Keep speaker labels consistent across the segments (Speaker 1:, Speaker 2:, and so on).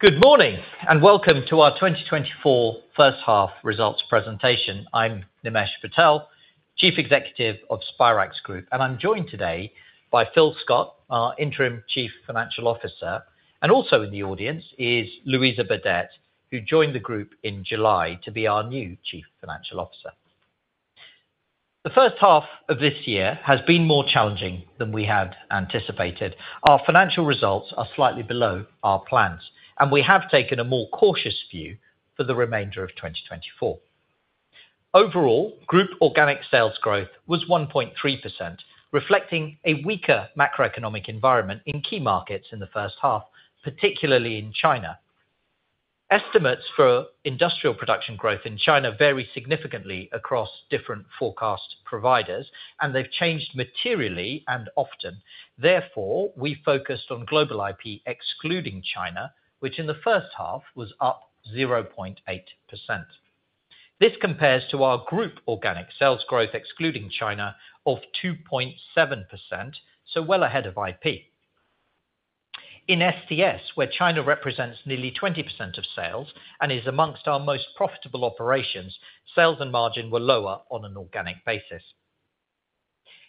Speaker 1: Good morning, and welcome to our 2024 first half results presentation. I'm Nimesh Patel, Chief Executive of Spirax Group, and I'm joined today by Phil Scott, our Interim Chief Financial Officer, and also in the audience is Louisa Burdett, who joined the group in July to be our new Chief Financial Officer. The first half of this year has been more challenging than we had anticipated. Our financial results are slightly below our plans, and we have taken a more cautious view for the remainder of 2024. Overall, group organic sales growth was 1.3%, reflecting a weaker macroeconomic environment in key markets in the first half, particularly in China. Estimates for industrial production growth in China vary significantly across different forecast providers, and they've changed materially and often. Therefore, we focused on global IP, excluding China, which in the first half was up 0.8%. This compares to our group organic sales growth, excluding China, of 2.7%, so well ahead of IP. In STS, where China represents nearly 20% of sales and is amongst our most profitable operations, sales and margin were lower on an organic basis.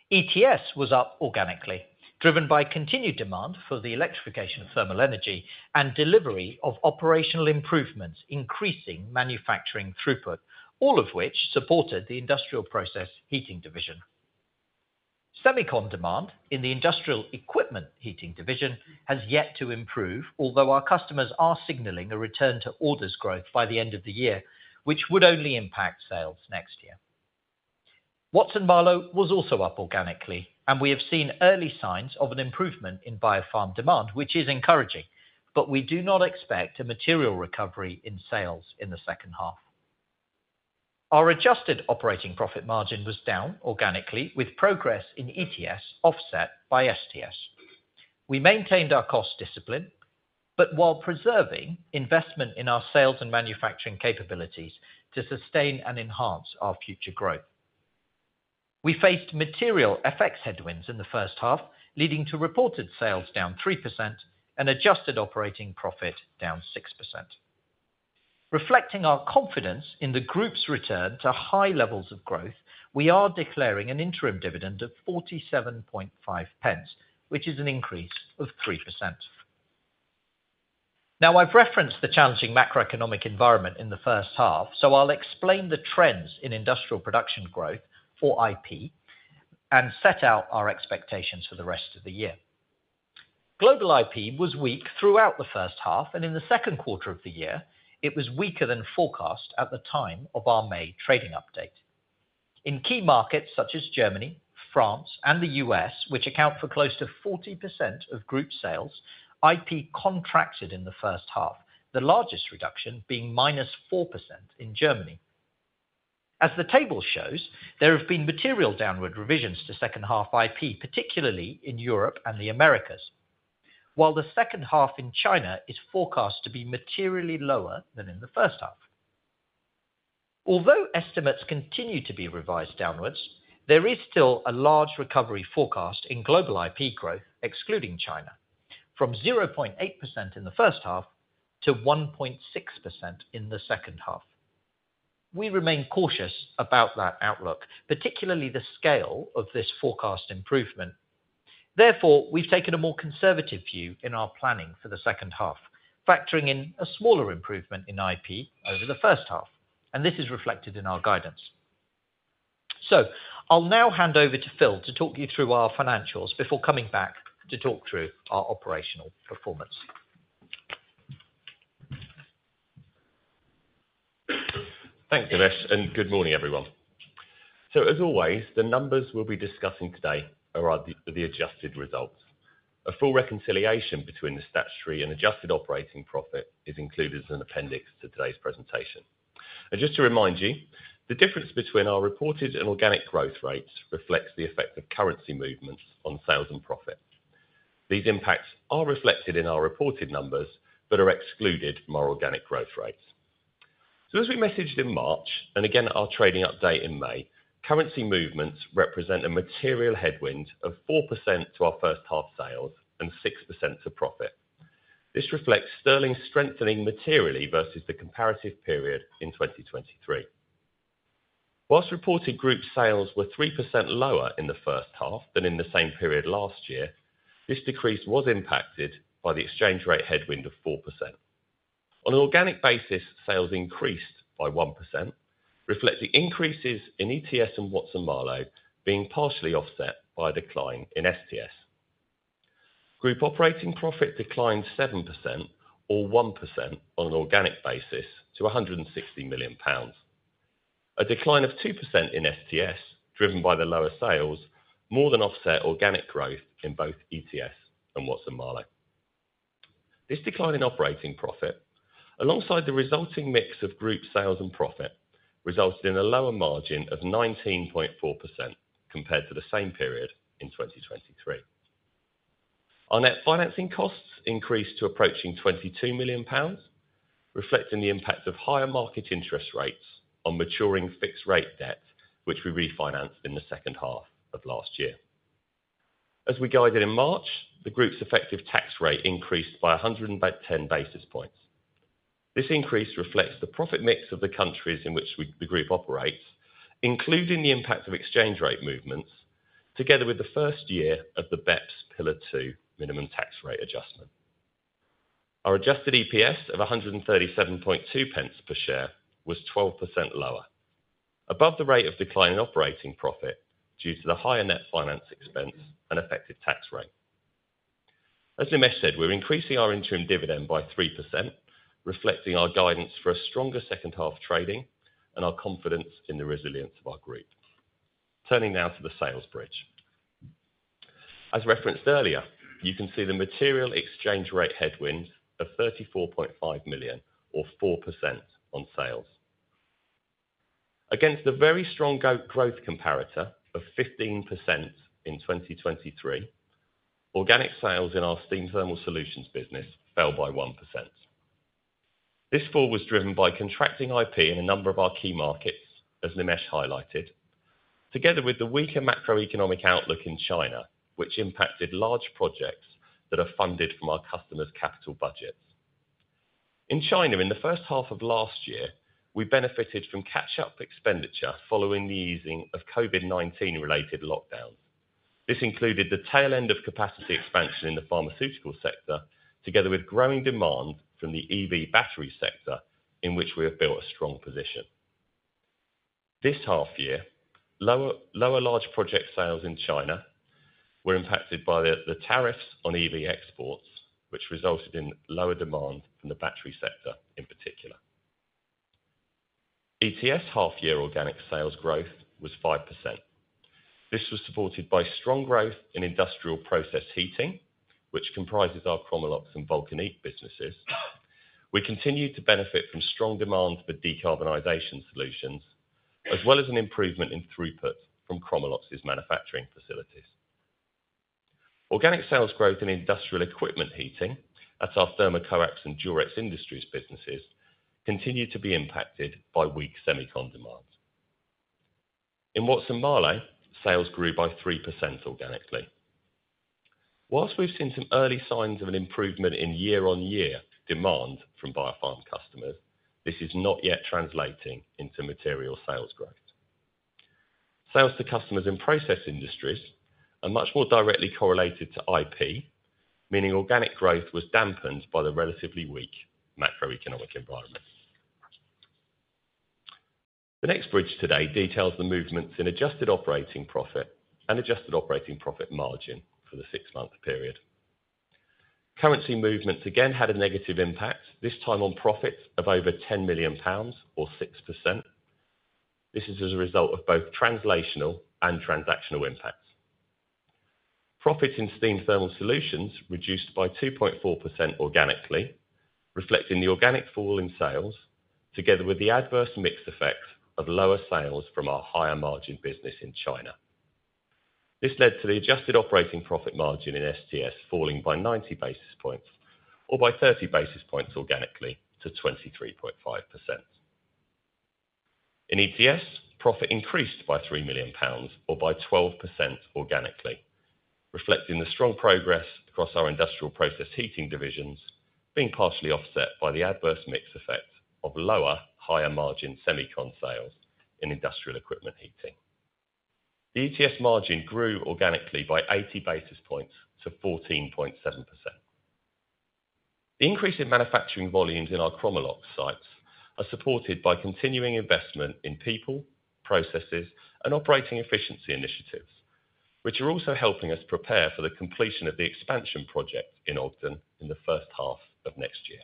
Speaker 1: ETS was up organically, driven by continued demand for the electrification of thermal energy and delivery of operational improvements, increasing manufacturing throughput, all of which supported the Industrial Process Heating division. Semiconductor demand in the Industrial Equipment Heating division has yet to improve, although our customers are signaling a return to orders growth by the end of the year, which would only impact sales next year. Watson-Marlow was also up organically, and we have seen early signs of an improvement in biopharm demand, which is encouraging, but we do not expect a material recovery in sales in the second half. Our adjusted operating profit margin was down organically, with progress in ETS offset by STS. We maintained our cost discipline, but while preserving investment in our sales and manufacturing capabilities to sustain and enhance our future growth. We faced material FX headwinds in the first half, leading to reported sales down 3% and adjusted operating profit down 6%. Reflecting our confidence in the group's return to high levels of growth, we are declaring an interim dividend of 0.475, which is an increase of 3%. Now, I've referenced the challenging macroeconomic environment in the first half, so I'll explain the trends in industrial production growth for IP and set out our expectations for the rest of the year. Global IP was weak throughout the first half, and in the second quarter of the year, it was weaker than forecast at the time of our May trading update. In key markets such as Germany, France, and the US, which account for close to 40% of group sales, IP contracted in the first half, the largest reduction being -4% in Germany. As the table shows, there have been material downward revisions to second half IP, particularly in Europe and the Americas, while the second half in China is forecast to be materially lower than in the first half. Although estimates continue to be revised downwards, there is still a large recovery forecast in global IP growth, excluding China, from 0.8% in the first half to 1.6% in the second half. We remain cautious about that outlook, particularly the scale of this forecast improvement. Therefore, we've taken a more conservative view in our planning for the second half, factoring in a smaller improvement in IP over the first half, and this is reflected in our guidance. So I'll now hand over to Phil to talk you through our financials before coming back to talk through our operational performance.
Speaker 2: Thank you, Nimesh, and good morning, everyone. So as always, the numbers we'll be discussing today are the adjusted results. A full reconciliation between the statutory and adjusted operating profit is included as an appendix to today's presentation. Just to remind you, the difference between our reported and organic growth rates reflects the effect of currency movements on sales and profit. These impacts are reflected in our reported numbers, but are excluded from our organic growth rates. So as we messaged in March, and again, at our trading update in May, currency movements represent a material headwind of 4% to our first half sales and 6% to profit. This reflects sterling strengthening materially versus the comparative period in 2023. Whilst reported group sales were 3% lower in the first half than in the same period last year, this decrease was impacted by the exchange rate headwind of 4%. On an organic basis, sales increased by 1%, reflecting increases in ETS and Watson-Marlow being partially offset by a decline in STS. Group operating profit declined 7% or 1% on an organic basis to 160 million pounds. A decline of 2% in STS, driven by the lower sales, more than offset organic growth in both ETS and Watson-Marlow. This decline in operating profit, alongside the resulting mix of group sales and profit, resulted in a lower margin of 19.4% compared to the same period in 2023. Our net financing costs increased to approaching 22 million pounds, reflecting the impact of higher market interest rates on maturing fixed rate debt, which we refinanced in the second half of last year. As we guided in March, the group's effective tax rate increased by a hundred and about ten basis points. This increase reflects the profit mix of the countries in which the group operates, including the impact of exchange rate movements, together with the first year of the BEPS Pillar Two minimum tax rate adjustment. Our adjusted EPS of 137.2 pence per share was 12% lower, above the rate of decline in operating profit due to the higher net finance expense and effective tax rate. As Nimesh said, we're increasing our interim dividend by 3%, reflecting our guidance for a stronger second half trading and our confidence in the resilience of our group. Turning now to the sales bridge. As referenced earlier, you can see the material exchange rate headwind of 34.5 million or 4% on sales. Against a very strong YoY growth comparator of 15% in 2023, organic sales in our Steam Thermal Solutions business fell by 1%. This fall was driven by contracting IP in a number of our key markets, as Nimesh highlighted, together with the weaker macroeconomic outlook in China, which impacted large projects that are funded from our customers' capital budgets. In China, in the first half of last year, we benefited from catch-up expenditure following the easing of COVID-19 related lockdowns. This included the tail end of capacity expansion in the pharmaceutical sector, together with growing demand from the EV battery sector, in which we have built a strong position. This half year, lower large project sales in China were impacted by the tariffs on EV exports, which resulted in lower demand from the battery sector, in particular. ETS half year organic sales growth was 5%. This was supported by strong growth in Industrial Process Heating, which comprises our Chromalox and Vulcanic businesses. We continued to benefit from strong demand for decarbonization solutions, as well as an improvement in throughput from Chromalox's manufacturing facilities. Organic sales growth in Industrial Equipment Heating, that's our Thermocoax and Durex Industries businesses, continued to be impacted by weak semicon demand. In Watson-Marlow, sales grew by 3% organically. While we've seen some early signs of an improvement in year-on-year demand from biopharm customers, this is not yet translating into material sales growth. Sales to customers in Process Industries are much more directly correlated to IP, meaning organic growth was dampened by the relatively weak macroeconomic environment. The next bridge today details the movements in adjusted operating profit and adjusted operating profit margin for the six-month period. Currency movements again had a negative impact, this time on profit of over 10 million pounds or 6%. This is as a result of both translational and transactional impacts. Profit in Steam Thermal Solutions reduced by 2.4% organically, reflecting the organic fall in sales, together with the adverse mix effects of lower sales from our higher margin business in China. This led to the adjusted operating profit margin in STS falling by 90 basis points or by 30 basis points organically to 23.5%. In ETS, profit increased by 3 million pounds or by 12% organically, reflecting the strong progress across our Industrial Process Heating divisions, being partially offset by the adverse mix effect of lower, higher margin semicon sales in Industrial Equipment Heating. The ETS margin grew organically by 80 basis points to 14.7%. The increase in manufacturing volumes in our Chromalox sites are supported by continuing investment in people, processes, and operating efficiency initiatives, which are also helping us prepare for the completion of the expansion project in Ogden in the first half of next year.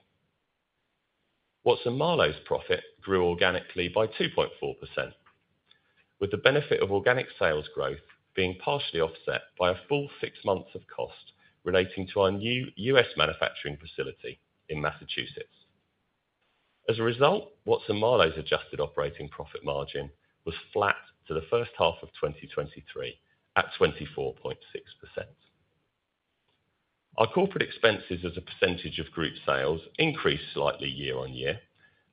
Speaker 2: Watson-Marlow's profit grew organically by 2.4%, with the benefit of organic sales growth being partially offset by a full six months of cost relating to our new U.S. manufacturing facility in Massachusetts. As a result, Watson-Marlow's adjusted operating profit margin was flat to the first half of 2023, at 24.6%. Our corporate expenses as a percentage of group sales increased slightly year on year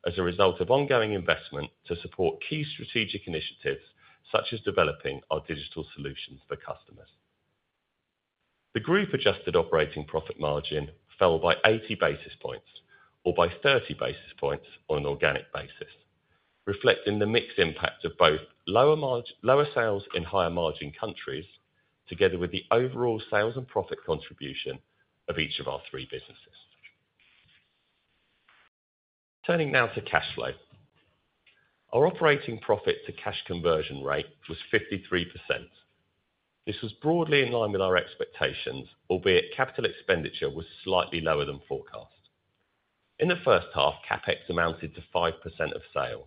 Speaker 2: as a result of ongoing investment to support key strategic initiatives, such as developing our digital solutions for customers. The group adjusted operating profit margin fell by 80 basis points or by 30 basis points on an organic basis, reflecting the mixed impact of both lower sales in higher margin countries, together with the overall sales and profit contribution of each of our three businesses. Turning now to cash flow. Our operating profit to cash conversion rate was 53%. This was broadly in line with our expectations, albeit capital expenditure was slightly lower than forecast. In the first half, CapEx amounted to 5% of sales.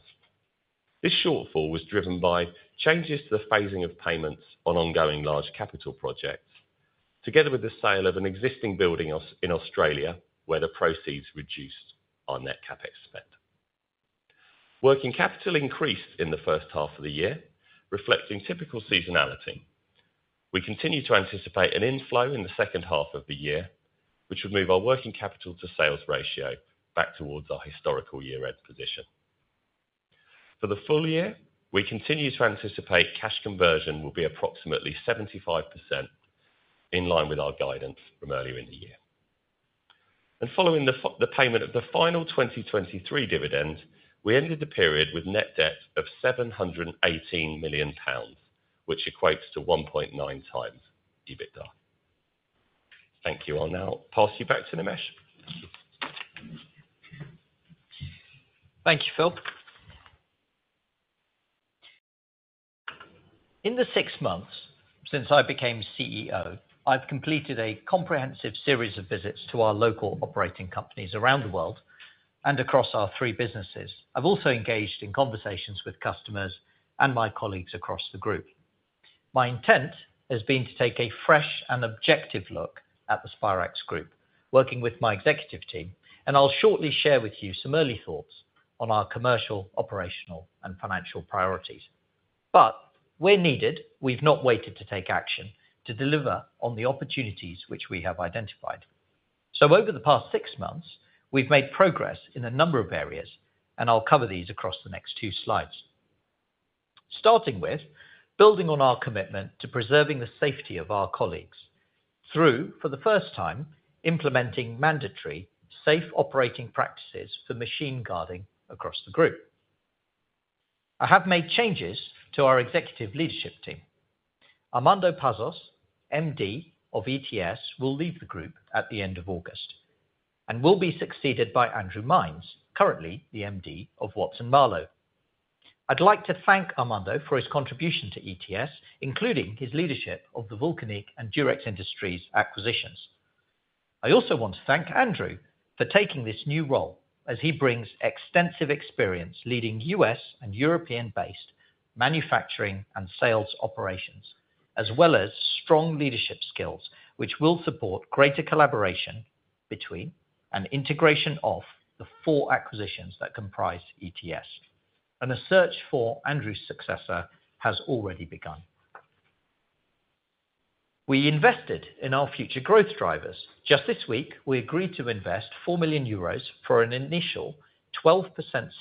Speaker 2: This shortfall was driven by changes to the phasing of payments on ongoing large capital projects, together with the sale of an existing building in Australia, where the proceeds reduced our net CapEx spend. Working capital increased in the first half of the year, reflecting typical seasonality. We continue to anticipate an inflow in the second half of the year, which would move our working capital to sales ratio back towards our historical year-end position. For the full year, we continue to anticipate cash conversion will be approximately 75% in line with our guidance from earlier in the year. Following the payment of the final 2023 dividend, we ended the period with net debt of 718 million pounds, which equates to 1.9x EBITDA. Thank you. I'll now pass you back to Nimesh.
Speaker 1: Thank you, Phil. In the six months since I became CEO, I've completed a comprehensive series of visits to our local operating companies around the world and across our three businesses. I've also engaged in conversations with customers and my colleagues across the group. My intent has been to take a fresh and objective look at the Spirax Group, working with my executive team, and I'll shortly share with you some early thoughts on our commercial, operational, and financial priorities. But where needed, we've not waited to take action to deliver on the opportunities which we have identified. So over the past six months, we've made progress in a number of areas, and I'll cover these across the next two slides. Starting with building on our commitment to preserving the safety of our colleagues through, for the first time, implementing mandatory safe operating practices for machine guarding across the group. I have made changes to our executive leadership team. Armando Pazos, MD of ETS, will leave the group at the end of August and will be succeeded by Andrew Mines, currently the MD of Watson-Marlow. I'd like to thank Armando for his contribution to ETS, including his leadership of the Vulcanic and Durex Industries acquisitions. I also want to thank Andrew for taking this new role as he brings extensive experience leading U.S. and European-based manufacturing and sales operations, as well as strong leadership skills, which will support greater collaboration between an integration of the four acquisitions that comprise ETS. The search for Andrew's successor has already begun. We invested in our future growth drivers. Just this week, we agreed to invest 4 million euros for an initial 12%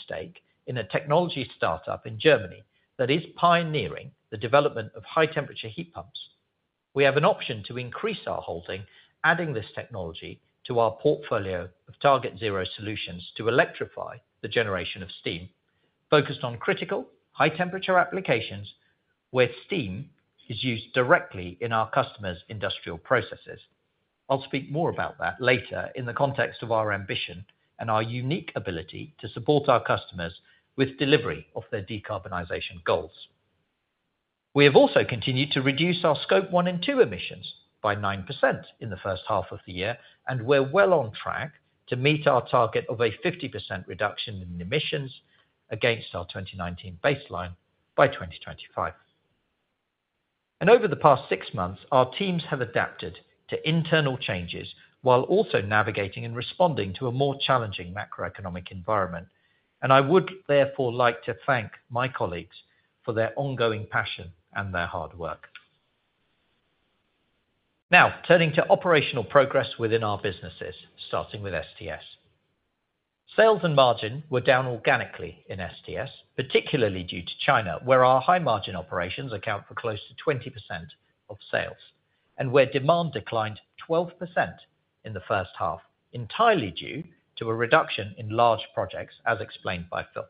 Speaker 1: stake in a technology start-up in Germany that is pioneering the development of high-temperature heat pumps. We have an option to increase our holding, adding this technology to our portfolio of TargetZero solutions to electrify the generation of Steam focused on critical, high-temperature applications where Steam is used directly in our customers' industrial processes. I'll speak more about that later in the context of our ambition and our unique ability to support our customers with delivery of their decarbonization goals. We have also continued to reduce our Scope 1 and 2 emissions by 9% in the first half of the year, and we're well on track to meet our target of a 50% reduction in emissions against our 2019 baseline by 2025. Over the past six months, our teams have adapted to internal changes while also navigating and responding to a more challenging macroeconomic environment. I would therefore like to thank my colleagues for their ongoing passion and their hard work. Now, turning to operational progress within our businesses, starting with STS. Sales and margin were down organically in STS, particularly due to China, where our high-margin operations account for close to 20% of sales and where demand declined 12% in the first half, entirely due to a reduction in large projects, as explained by Phil.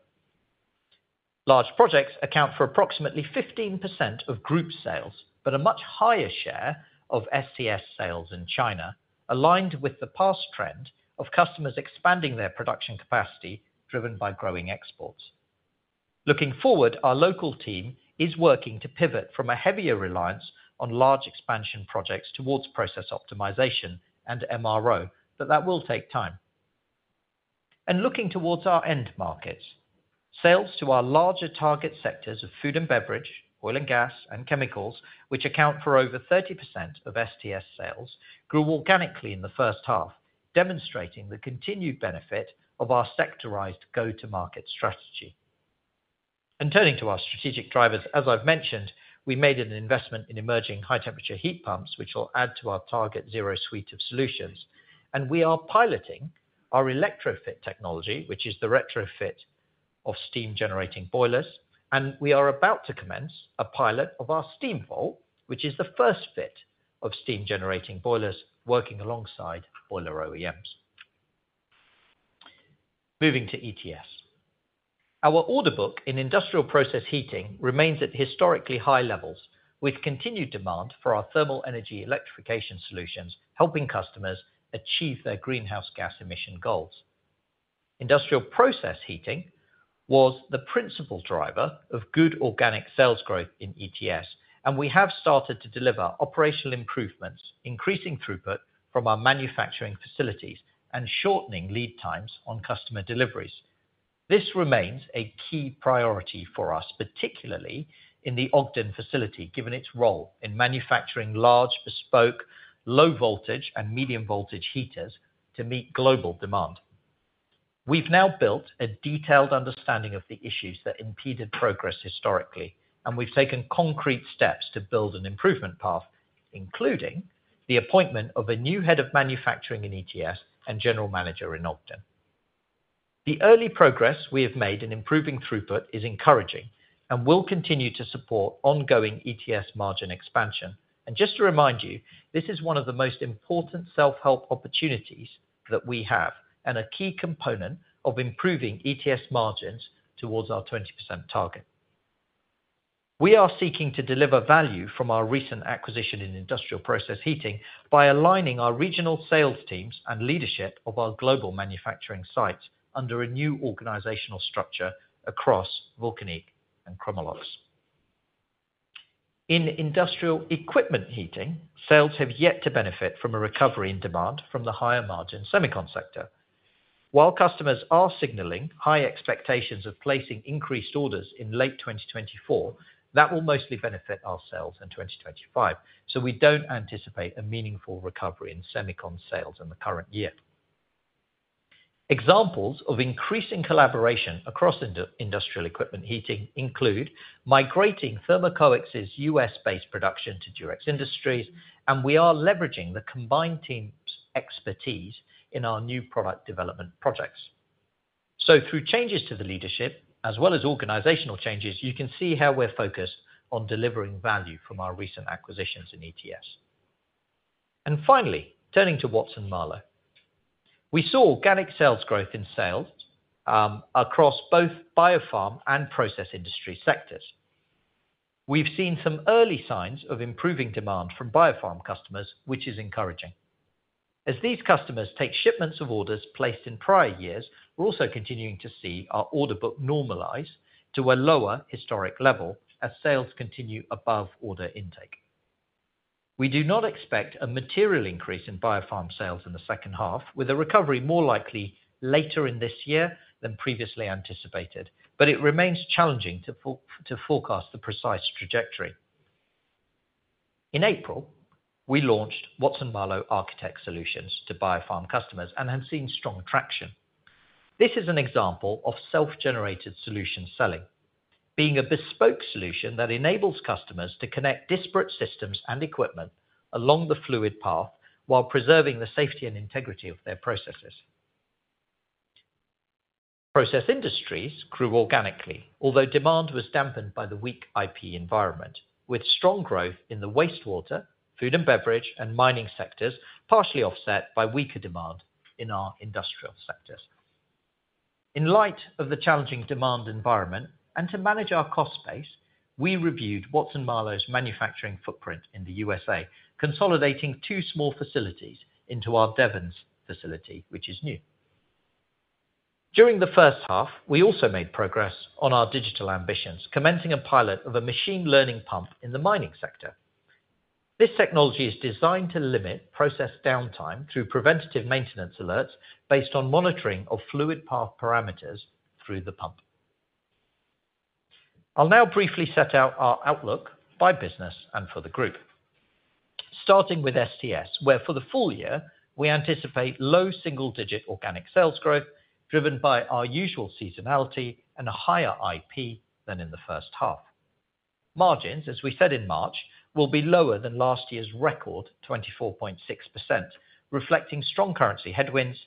Speaker 1: Large projects account for approximately 15% of group sales, but a much higher share of STS sales in China, aligned with the past trend of customers expanding their production capacity, driven by growing exports. Looking forward, our local team is working to pivot from a heavier reliance on large expansion projects towards process optimization and MRO, but that will take time. Looking towards our end markets, sales to our larger target sectors of food and beverage, oil and gas, and chemicals, which account for over 30% of STS sales, grew organically in the first half, demonstrating the continued benefit of our sectorized go-to-market strategy. Turning to our strategic drivers, as I've mentioned, we made an investment in emerging high-temperature heat pumps, which will add to our TargetZero suite of solutions. We are piloting our ElectroFit technology, which is the retrofit of steam-generating boilers, and we are about to commence a pilot of our SteamVolt, which is the first fit of steam-generating boilers working alongside boiler OEMs. Moving to ETS. Our order book in Industrial Process Heating remains at historically high levels, with continued demand for our thermal energy electrification solutions, helping customers achieve their greenhouse gas emission goals. Industrial Process Heating was the principal driver of good organic sales growth in ETS, and we have started to deliver operational improvements, increasing throughput from our manufacturing facilities and shortening lead times on customer deliveries. This remains a key priority for us, particularly in the Ogden facility, given its role in manufacturing large, bespoke, low-voltage and medium-voltage heaters to meet global demand. We've now built a detailed understanding of the issues that impeded progress historically, and we've taken concrete steps to build an improvement path, including the appointment of a new head of manufacturing in ETS and general manager in Ogden. The early progress we have made in improving throughput is encouraging and will continue to support ongoing ETS margin expansion. Just to remind you, this is one of the most important self-help opportunities that we have and a key component of improving ETS margins towards our 20% target. We are seeking to deliver value from our recent acquisition in Industrial Process Heating by aligning our regional sales teams and leadership of our global manufacturing sites under a new organizational structure across Vulcanic and Chromalox. In Industrial Equipment Heating, sales have yet to benefit from a recovery in demand from the higher margin semicon sector. While customers are signaling high expectations of placing increased orders in late 2024, that will mostly benefit our sales in 2025, so we don't anticipate a meaningful recovery in semicon sales in the current year. Examples of increasing collaboration across Industrial Equipment Heating include migrating Thermocoax's U.S.-based production to Durex Industries, and we are leveraging the combined team's expertise in our new product development projects. So through changes to the leadership, as well as organizational changes, you can see how we're focused on delivering value from our recent acquisitions in ETS. And finally, turning to Watson-Marlow. We saw organic sales growth in sales across both biopharm and Process Industries sectors. We've seen some early signs of improving demand from biopharm customers, which is encouraging. As these customers take shipments of orders placed in prior years, we're also continuing to see our order book normalize to a lower historic level as sales continue above order intake. We do not expect a material increase in biopharm sales in the second half, with a recovery more likely later in this year than previously anticipated, but it remains challenging to forecast the precise trajectory. In April, we launched Watson-Marlow Architect Solutions to biopharm customers and have seen strong traction. This is an example of self-generated solution selling, being a bespoke solution that enables customers to connect disparate systems and equipment along the fluid path while preserving the safety and integrity of their processes. Process Industries grew organically, although demand was dampened by the weak IP environment, with strong growth in the wastewater, food and beverage, and mining sectors, partially offset by weaker demand in our industrial sectors. In light of the challenging demand environment, and to manage our cost base, we reviewed Watson-Marlow's manufacturing footprint in the USA, consolidating two small facilities into our Devens facility, which is new. During the first half, we also made progress on our digital ambitions, commencing a pilot of a machine learning pump in the mining sector. This technology is designed to limit process downtime through preventative maintenance alerts based on monitoring of fluid path parameters through the pump. I'll now briefly set out our outlook by business and for the group. Starting with STS, where for the full year, we anticipate low single digit organic sales growth, driven by our usual seasonality and a higher IP than in the first half. Margins, as we said in March, will be lower than last year's record, 24.6%, reflecting strong currency headwinds,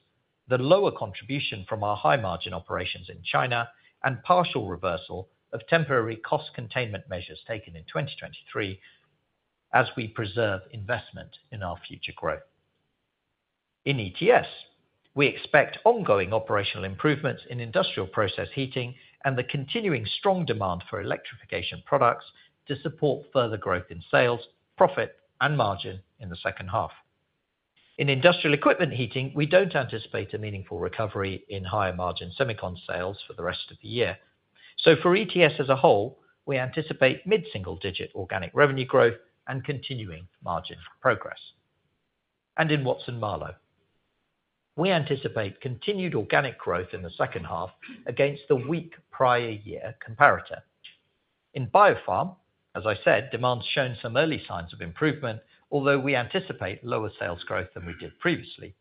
Speaker 1: the lower contribution from our high margin operations in China, and partial reversal of temporary cost containment measures taken in 2023 as we preserve investment in our future growth. In ETS, we expect ongoing operational improvements in Industrial Process Heating and the continuing strong demand for electrification products to support further growth in sales, profit and margin in the second half. In Industrial Equipment Heating, we don't anticipate a meaningful recovery in higher margin semicon sales for the rest of the year. For ETS as a whole, we anticipate mid-single digit organic revenue growth and continuing margin progress. In Watson-Marlow, we anticipate continued organic growth in the second half against the weak prior year comparator. In Biopharm, as I said, demand's shown some early signs of improvement, although we anticipate lower sales growth than we did previously.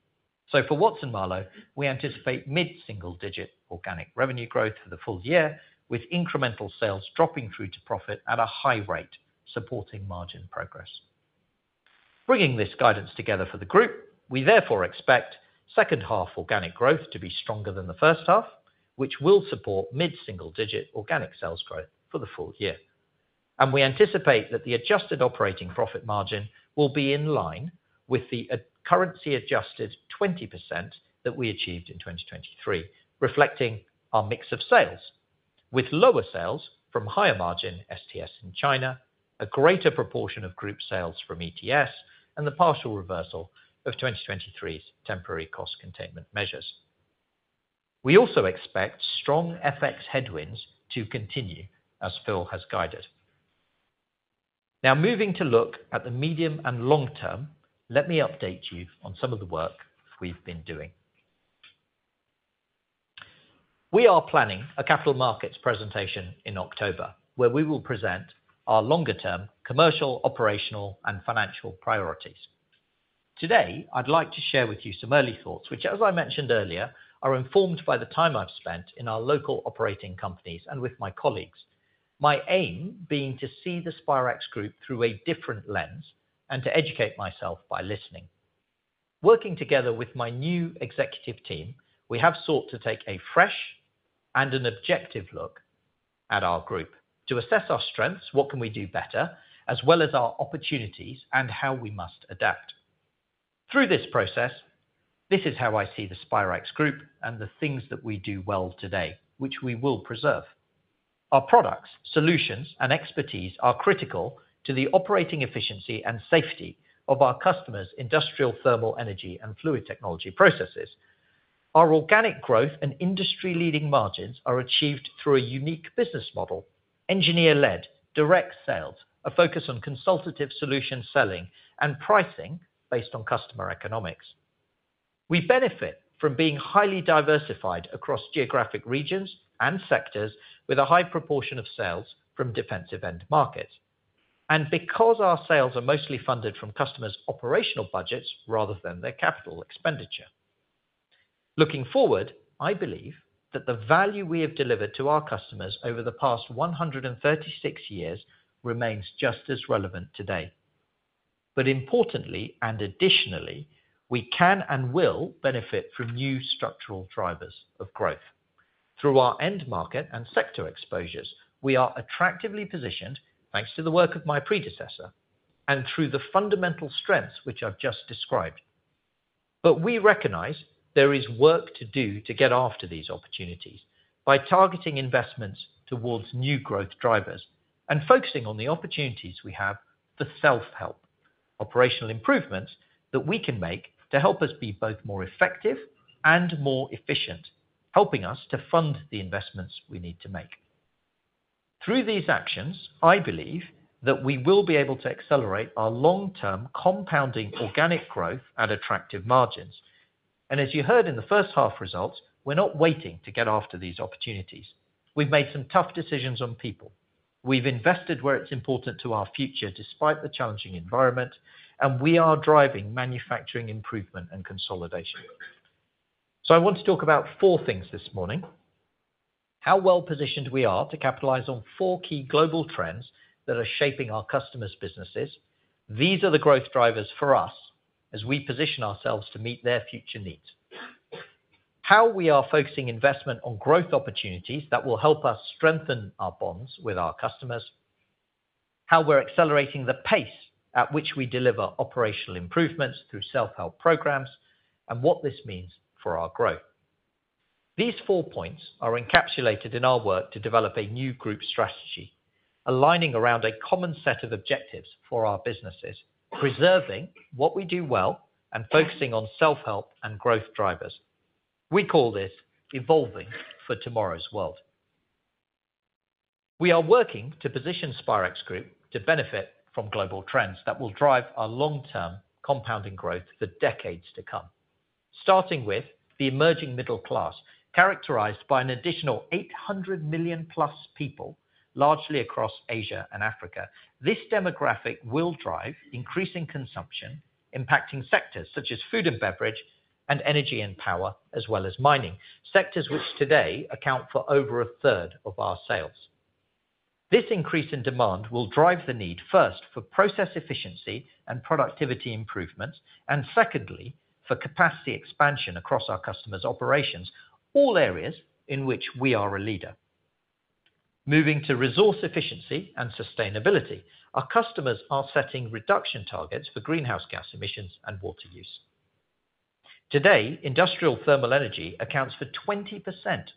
Speaker 1: So for Watson-Marlow, we anticipate mid-single digit organic revenue growth for the full year, with incremental sales dropping through to profit at a high rate, supporting margin progress. Bringing this guidance together for the group, we therefore expect second half organic growth to be stronger than the first half, which will support mid-single digit organic sales growth for the full year. And we anticipate that the adjusted operating profit margin will be in line with the constant currency adjusted 20% that we achieved in 2023, reflecting our mix of sales with lower sales from higher margin STS in China, a greater proportion of group sales from ETS, and the partial reversal of 2023's temporary cost containment measures. We also expect strong FX headwinds to continue, as Phil has guided. Now, moving to look at the medium and long term, let me update you on some of the work we've been doing. We are planning a capital markets presentation in October, where we will present our longer term commercial, operational and financial priorities. Today, I'd like to share with you some early thoughts, which, as I mentioned earlier, are informed by the time I've spent in our local operating companies and with my colleagues. My aim being to see the Spirax Group through a different lens and to educate myself by listening. Working together with my new executive team, we have sought to take a fresh and an objective look at our group to assess our strengths, what can we do better, as well as our opportunities and how we must adapt. Through this process, this is how I see the Spirax Group and the things that we do well today, which we will preserve. Our products, solutions, and expertise are critical to the operating efficiency and safety of our customers' industrial, thermal, energy, and fluid technology processes. Our organic growth and industry-leading margins are achieved through a unique business model, engineer-led, direct sales, a focus on consultative solution selling, and pricing based on customer economics. We benefit from being highly diversified across geographic regions and sectors with a high proportion of sales from defensive end markets, and because our sales are mostly funded from customers' operational budgets rather than their capital expenditure. Looking forward, I believe that the value we have delivered to our customers over the past 136 years remains just as relevant today. But importantly, and additionally, we can and will benefit from new structural drivers of growth. Through our end market and sector exposures, we are attractively positioned, thanks to the work of my predecessor, and through the fundamental strengths, which I've just described. But we recognize there is work to do to get after these opportunities by targeting investments towards new growth drivers and focusing on the opportunities we have for self-help, operational improvements that we can make to help us be both more effective and more efficient, helping us to fund the investments we need to make. Through these actions, I believe that we will be able to accelerate our long-term compounding organic growth at attractive margins. And as you heard in the first half results, we're not waiting to get after these opportunities. We've made some tough decisions on people. We've invested where it's important to our future, despite the challenging environment, and we are driving manufacturing improvement and consolidation. So I want to talk about four things this morning: how well-positioned we are to capitalize on four key global trends that are shaping our customers' businesses. These are the growth drivers for us as we position ourselves to meet their future needs. How we are focusing investment on growth opportunities that will help us strengthen our bonds with our customers, how we're accelerating the pace at which we deliver operational improvements through self-help programs, and what this means for our growth. These four points are encapsulated in our work to develop a new group strategy, aligning around a common set of objectives for our businesses, preserving what we do well and focusing on self-help and growth drivers. We call this evolving for tomorrow's world. We are working to position Spirax Group to benefit from global trends that will drive our long-term compounding growth for decades to come, starting with the emerging middle class, characterized by an additional 800 million plus people, largely across Asia and Africa. This demographic will drive increasing consumption, impacting sectors such as food and beverage, and energy and power, as well as mining, sectors which today account for over a third of our sales. This increase in demand will drive the need, first, for process efficiency and productivity improvements, and secondly, for capacity expansion across our customers' operations, all areas in which we are a leader. Moving to resource efficiency and sustainability, our customers are setting reduction targets for greenhouse gas emissions and water use. Today, industrial thermal energy accounts for 20%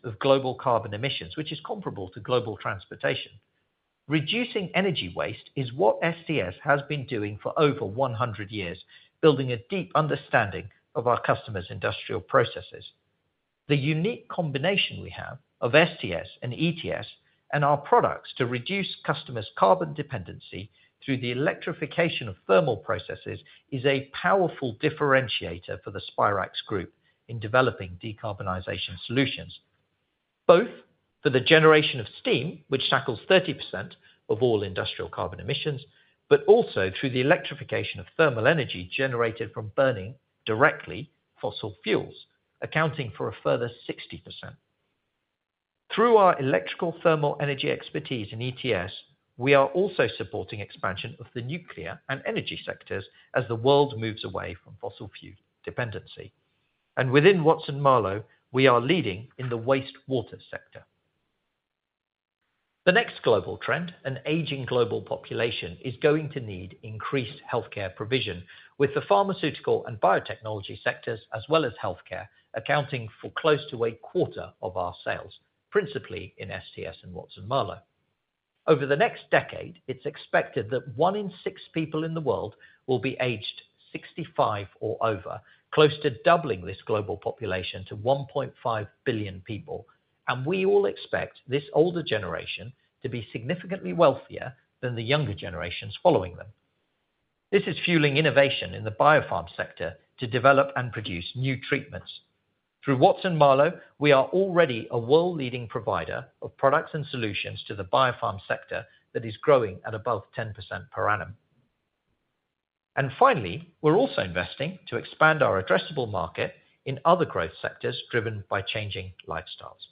Speaker 1: of global carbon emissions, which is comparable to global transportation. Reducing energy waste is what STS has been doing for over 100 years, building a deep understanding of our customers' industrial processes. The unique combination we have of STS and ETS and our products to reduce customers' carbon dependency through the electrification of thermal processes is a powerful differentiator for the Spirax Group in developing decarbonization solutions, both for the generation of Steam, which tackles 30% of all industrial carbon emissions, but also through the electrification of thermal energy generated from burning directly fossil fuels, accounting for a further 60%. Through our electrical thermal energy expertise in ETS, we are also supporting expansion of the nuclear and energy sectors as the world moves away from fossil fuel dependency. Within Watson-Marlow, we are leading in the wastewater sector. The next global trend, an aging global population, is going to need increased healthcare provision, with the pharmaceutical and biotechnology sectors, as well as healthcare, accounting for close to a quarter of our sales, principally in STS and Watson-Marlow. Over the next decade, it's expected that one in six people in the world will be aged 65 or over, close to doubling this global population to 1.5 billion people, and we all expect this older generation to be significantly wealthier than the younger generations following them. This is fueling innovation in the biopharm sector to develop and produce new treatments. Through Watson-Marlow, we are already a world-leading provider of products and solutions to the biopharm sector that is growing at above 10% per annum. And finally, we're also investing to expand our addressable market in other growth sectors driven by changing lifestyles.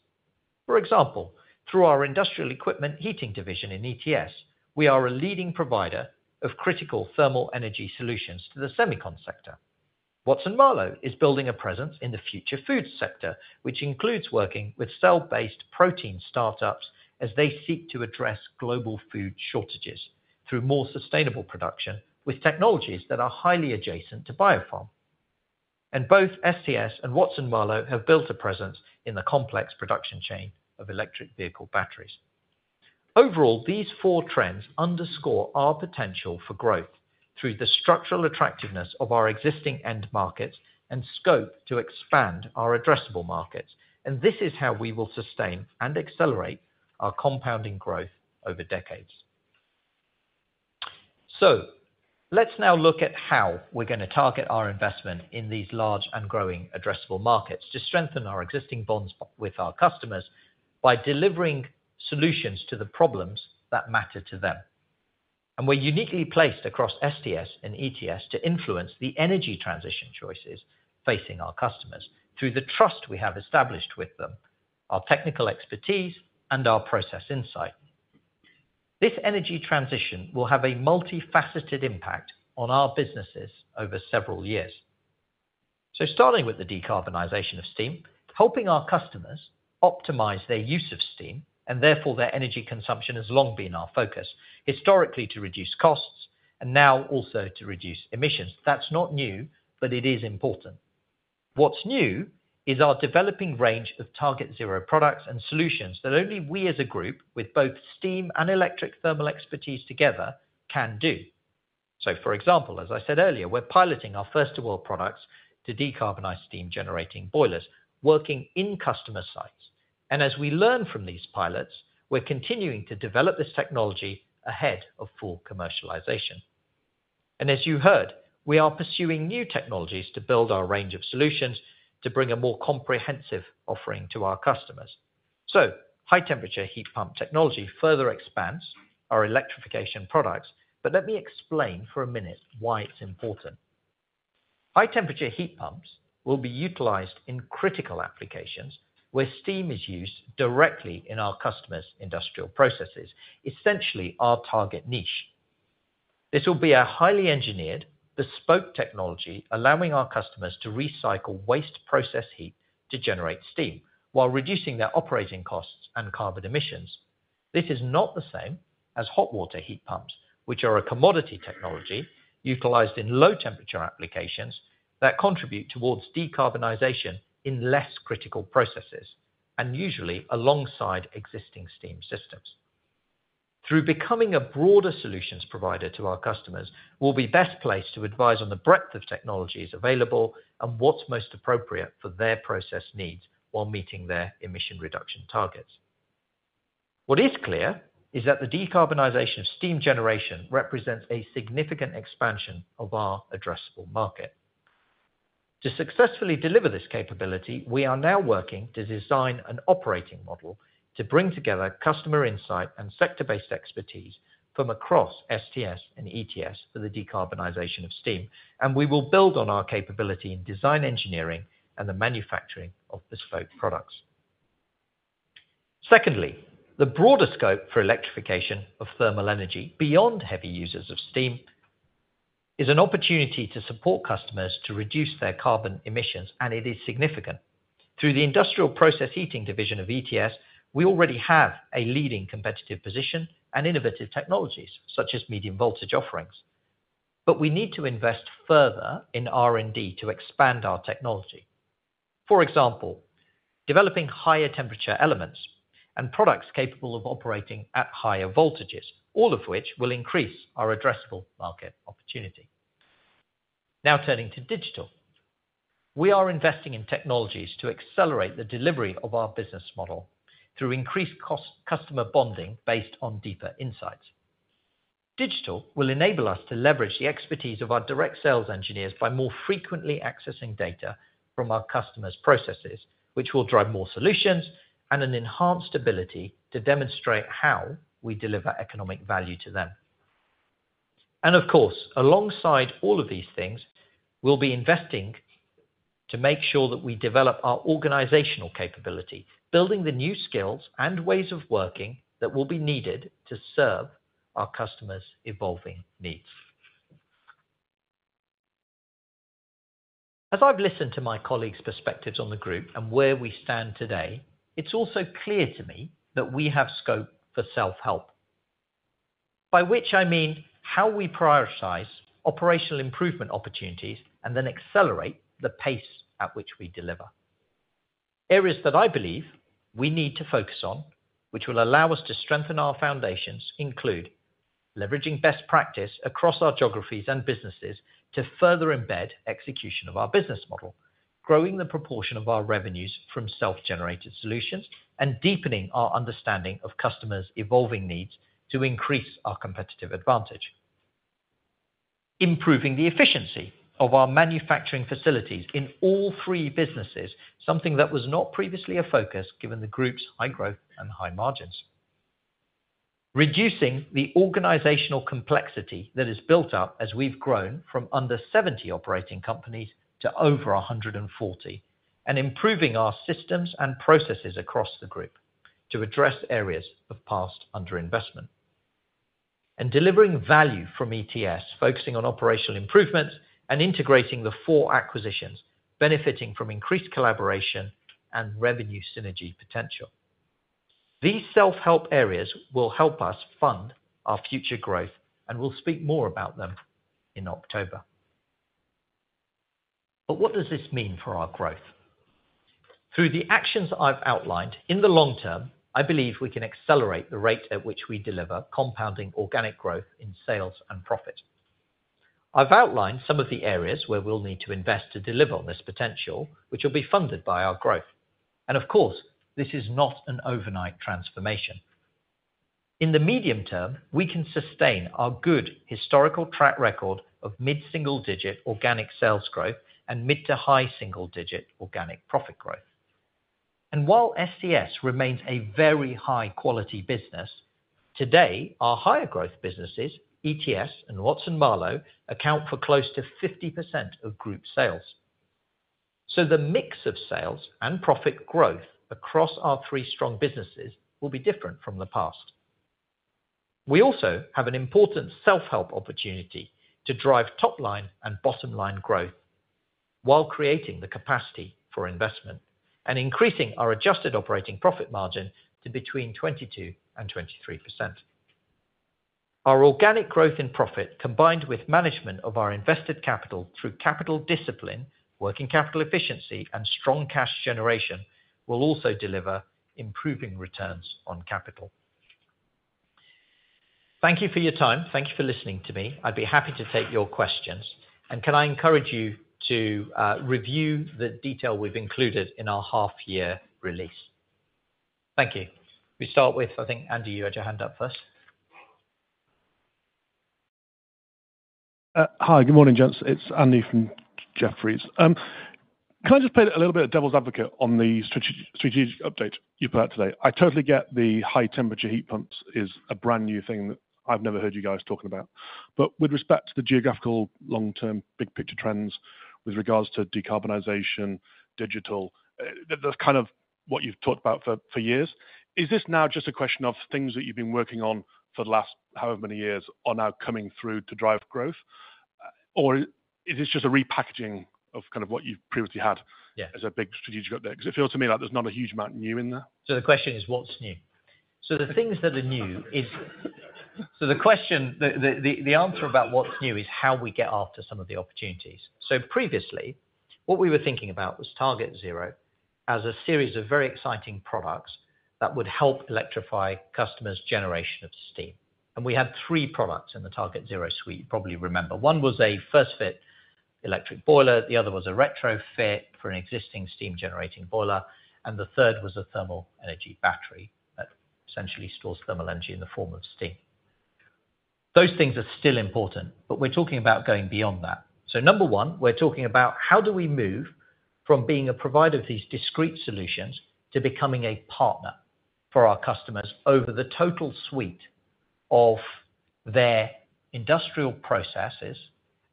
Speaker 1: For example, through our Industrial Equipment Heating division in ETS, we are a leading provider of critical thermal energy solutions to the semicon sector. Watson-Marlow is building a presence in the future food sector, which includes working with cell-based protein startups as they seek to address global food shortages through more sustainable production, with technologies that are highly adjacent to biopharm. Both STS and Watson-Marlow have built a presence in the complex production chain of electric vehicle batteries. Overall, these four trends underscore our potential for growth through the structural attractiveness of our existing end markets and scope to expand our addressable markets, and this is how we will sustain and accelerate our compounding growth over decades. Let's now look at how we're gonna target our investment in these large and growing addressable markets to strengthen our existing bonds with our customers by delivering solutions to the problems that matter to them. We're uniquely placed across STS and ETS to influence the energy transition choices facing our customers through the trust we have established with them, our technical expertise, and our process insight. This energy transition will have a multifaceted impact on our businesses over several years. Starting with the decarbonization of Steam, helping our customers optimize their use of Steam, and therefore, their energy consumption, has long been our focus, historically, to reduce costs and now also to reduce emissions. That's not new, but it is important. What's new is our developing range of TargetZero products and solutions that only we, as a group, with both steam and electric thermal expertise together, can do. So for example, as I said earlier, we're piloting our first fit products to decarbonize steam-generating boilers working in customer sites. And as we learn from these pilots, we're continuing to develop this technology ahead of full commercialization. And as you heard, we are pursuing new technologies to build our range of solutions to bring a more comprehensive offering to our customers. So high-temperature heat pump technology further expands our electrification products, but let me explain for a minute why it's important. High-temperature heat pumps will be utilized in critical applications where Steam is used directly in our customers' industrial processes, essentially our target niche. This will be a highly engineered, bespoke technology, allowing our customers to recycle waste process heat to generate Steam while reducing their operating costs and carbon emissions. This is not the same as hot water heat pumps, which are a commodity technology utilized in low-temperature applications that contribute towards decarbonization in less critical processes, and usually alongside existing Steam systems. Through becoming a broader solutions provider to our customers, we'll be best placed to advise on the breadth of technologies available and what's most appropriate for their process needs while meeting their emission reduction targets. What is clear is that the decarbonization of Steam generation represents a significant expansion of our addressable market. To successfully deliver this capability, we are now working to design an operating model to bring together customer insight and sector-based expertise from across STS and ETS for the decarbonization of Steam, and we will build on our capability in design engineering and the manufacturing of bespoke products. Secondly, the broader scope for electrification of thermal energy beyond heavy users of Steam is an opportunity to support customers to reduce their carbon emissions, and it is significant. Through the Industrial Process Heating division of ETS, we already have a leading competitive position and innovative technologies, such as medium voltage offerings. But we need to invest further in R&D to expand our technology. For example, developing higher temperature elements and products capable of operating at higher voltages, all of which will increase our addressable market opportunity. Now, turning to digital. We are investing in technologies to accelerate the delivery of our business model through increased customer bonding based on deeper insights. Digital will enable us to leverage the expertise of our direct sales engineers by more frequently accessing data from our customers' processes, which will drive more solutions and an enhanced ability to demonstrate how we deliver economic value to them. And of course, alongside all of these things, we'll be investing to make sure that we develop our organizational capability, building the new skills and ways of working that will be needed to serve our customers' evolving needs. As I've listened to my colleagues' perspectives on the group and where we stand today, it's also clear to me that we have scope for self-help, by which I mean how we prioritize operational improvement opportunities and then accelerate the pace at which we deliver. Areas that I believe we need to focus on, which will allow us to strengthen our foundations, include: leveraging best practice across our geographies and businesses to further embed execution of our business model, growing the proportion of our revenues from self-generated solutions, and deepening our understanding of customers' evolving needs to increase our competitive advantage. Improving the efficiency of our manufacturing facilities in all three businesses, something that was not previously a focus, given the group's high growth and high margins. Reducing the organizational complexity that is built up as we've grown from under 70 operating companies to over 140, and improving our systems and processes across the group to address areas of past underinvestment. Delivering value from ETS, focusing on operational improvements and integrating the four acquisitions, benefiting from increased collaboration and revenue synergy potential. These self-help areas will help us fund our future growth, and we'll speak more about them in October. What does this mean for our growth? Through the actions I've outlined, in the long term, I believe we can accelerate the rate at which we deliver compounding organic growth in sales and profit. I've outlined some of the areas where we'll need to invest to deliver on this potential, which will be funded by our growth. Of course, this is not an overnight transformation. In the medium term, we can sustain our good historical track record of mid-single-digit organic sales growth and mid- to high-single-digit organic profit growth. While STS remains a very high quality business, today, our higher growth businesses, ETS and Watson-Marlow, account for close to 50% of group sales. So the mix of sales and profit growth across our three strong businesses will be different from the past. We also have an important self-help opportunity to drive top line and bottom line growth while creating the capacity for investment and increasing our adjusted operating profit margin to between 22% and 23%. Our organic growth in profit, combined with management of our invested capital through capital discipline, working capital efficiency, and strong cash generation, will also deliver improving returns on capital. Thank you for your time. Thank you for listening to me. I'd be happy to take your questions. And can I encourage you to review the detail we've included in our half year release? Thank you. We start with, I think, Andy, you had your hand up first.
Speaker 3: Hi, good morning, gents. It's Andy from Jefferies. Can I just play a little bit of devil's advocate on the strategic update you put out today? I totally get the high temperature heat pumps is a brand new thing that I've never heard you guys talking about. But with respect to the geographic long-term, big picture trends with regards to decarbonization, digital, that, that's kind of what you've talked about for years, is this now just a question of things that you've been working on for the last however many years are now coming through to drive growth? Or is this just a repackaging of kind of what you've previously had.
Speaker 1: Yeah
Speaker 3: As a big strategic update? Because it feels to me like there's not a huge amount new in there.
Speaker 1: So the question is, what's new? So the things that are new is, so the question, the answer about what's new is how we get after some of the opportunities. So previously, what we were thinking about was TargetZero as a series of very exciting products that would help electrify customers' generation of Steam. And we had three products in the TargetZero suite, you probably remember. One was a first-fit electric boiler, the other was a retrofit for an existing Steam generating boiler, and the third was a thermal energy battery that essentially stores thermal energy in the form of Steam. Those things are still important, but we're talking about going beyond that. So number one, we're talking about how do we move from being a provider of these discrete solutions to becoming a partner for our customers over the total suite of their industrial processes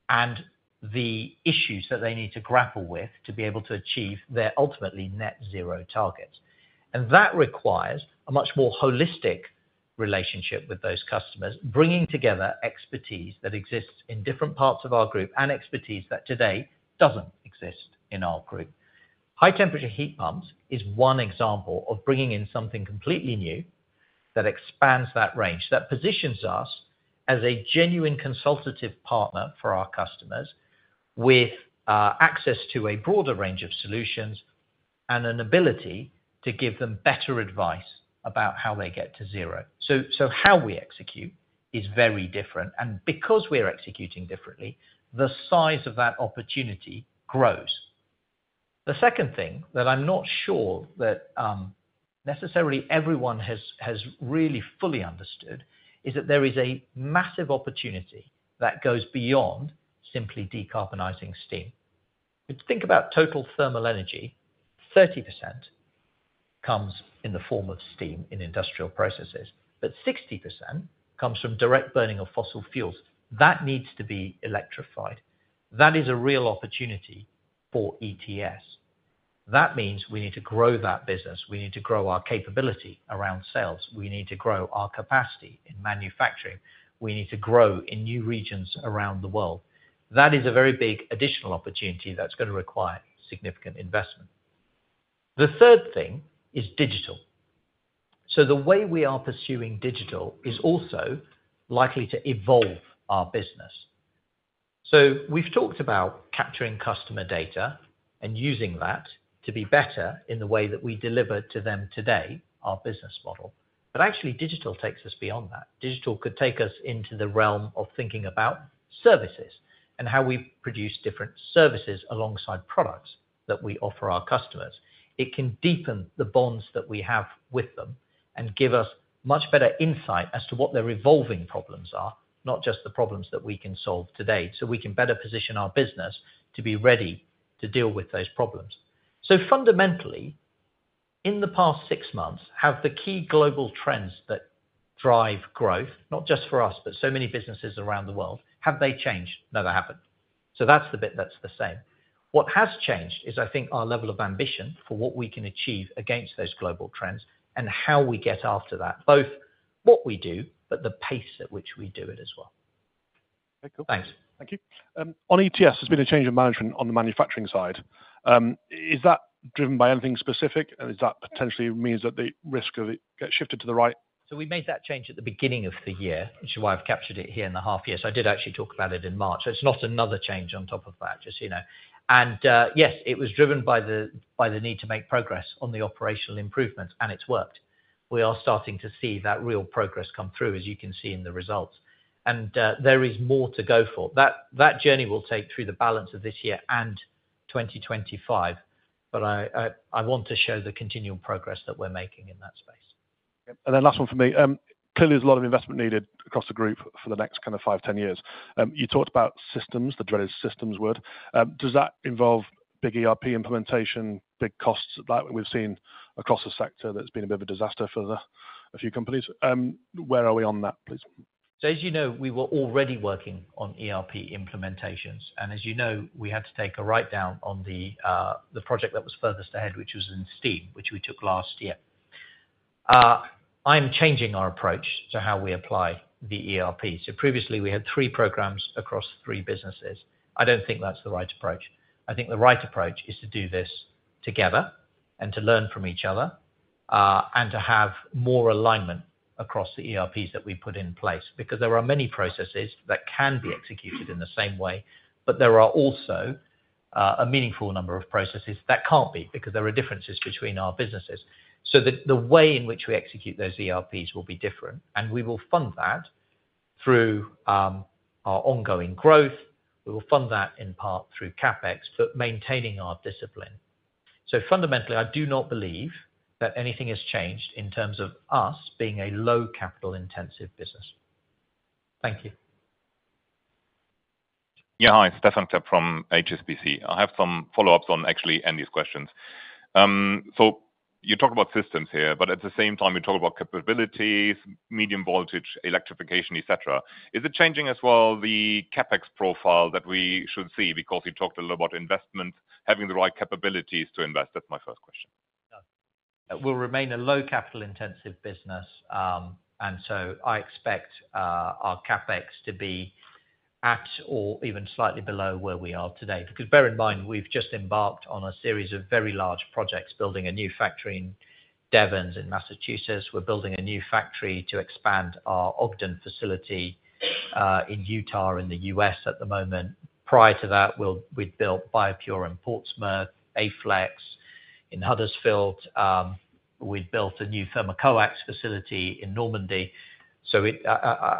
Speaker 1: and the issues that they need to grapple with to be able to achieve their ultimately net zero targets. And that requires a much more holistic relationship with those customers, bringing together expertise that exists in different parts of our group and expertise that today doesn't exist in our group. High temperature heat pumps is one example of bringing in something completely new that expands that range. That positions us as a genuine consultative partner for our customers, with access to a broader range of solutions and an ability to give them better advice about how they get to zero. So, so how we execute is very different, and because we're executing differently, the size of that opportunity grows. The second thing that I'm not sure that necessarily everyone has, has really fully understood is that there is a massive opportunity that goes beyond simply decarbonizing Steam. If you think about total thermal energy, 30% comes in the form of Steam in industrial processes, but 60% comes from direct burning of fossil fuels. That needs to be electrified. That is a real opportunity for ETS. That means we need to grow that business. We need to grow our capability around sales. We need to grow our capacity in manufacturing. We need to grow in new regions around the world. That is a very big additional opportunity that's gonna require significant investment. The third thing is digital. So the way we are pursuing digital is also likely to evolve our business. So we've talked about capturing customer data and using that to be better in the way that we deliver to them today, our business model, but actually, digital takes us beyond that. Digital could take us into the realm of thinking about services and how we produce different services alongside products that we offer our customers. It can deepen the bonds that we have with them and give us much better insight as to what their evolving problems are, not just the problems that we can solve today, so we can better position our business to be ready to deal with those problems. So fundamentally, in the past six months, have the key global trends that drive growth, not just for us, but so many businesses around the world, have they changed? No, they haven't. So that's the bit that's the same. What has changed, is I think our level of ambition for what we can achieve against those global trends, and how we get after that, both what we do, but the pace at which we do it as well.
Speaker 3: Okay, cool.
Speaker 1: Thanks.
Speaker 3: Thank you. On ETS, there's been a change of management on the manufacturing side. Is that driven by anything specific? Does that potentially means that the risk of it gets shifted to the right?
Speaker 1: So we made that change at the beginning of the year, which is why I've captured it here in the half year. So I did actually talk about it in March. So it's not another change on top of that, just so you know. And yes, it was driven by the need to make progress on the operational improvements, and it's worked. We are starting to see that real progress come through, as you can see in the results. And there is more to go for. That journey will take through the balance of this year and 2025, but I want to show the continual progress that we're making in that space.
Speaker 3: Yep. Last one for me. Clearly there's a lot of investment needed across the group for the next kind of 5, 10 years. You talked about systems, the dreaded systems word. Does that involve big ERP implementation, big costs, like we've seen across the sector that's been a bit of a disaster for a few companies? Where are we on that, please?
Speaker 1: So as you know, we were already working on ERP implementations, and as you know, we had to take a write-down on the project that was furthest ahead, which was in Steam, which we took last year. I'm changing our approach to how we apply the ERP. So previously, we had three programs across three businesses. I don't think that's the right approach. I think the right approach is to do this together and to learn from each other, and to have more alignment across the ERPs that we put in place, because there are many processes that can be executed in the same way, but there are also a meaningful number of processes that can't be, because there are differences between our businesses. So the way in which we execute those ERPs will be different, and we will fund that through our ongoing growth. We will fund that in part through CapEx, but maintaining our discipline. So fundamentally, I do not believe that anything has changed in terms of us being a low capital intensive business. Thank you.
Speaker 4: Yeah. Hi, Stephan Klepp from HSBC. I have some follow-ups on actually, Andy's questions. So you talk about systems here, but at the same time, you talk about capabilities, medium voltage, electrification, et cetera. Is it changing as well, the CapEx profile that we should see? Because you talked a little about investment, having the right capabilities to invest. That's my first question.
Speaker 1: Yeah. We'll remain a low capital intensive business, and so I expect our CapEx to be at or even slightly below where we are today. Because bear in mind, we've just embarked on a series of very large projects, building a new factory in Devens, in Massachusetts. We're building a new factory to expand our Ogden facility, in Utah, in the US, at the moment. Prior to that, we'd built BioPure in Portsmouth, Aflex in Huddersfield. We'd built a new Thermocoax facility in Normandy, so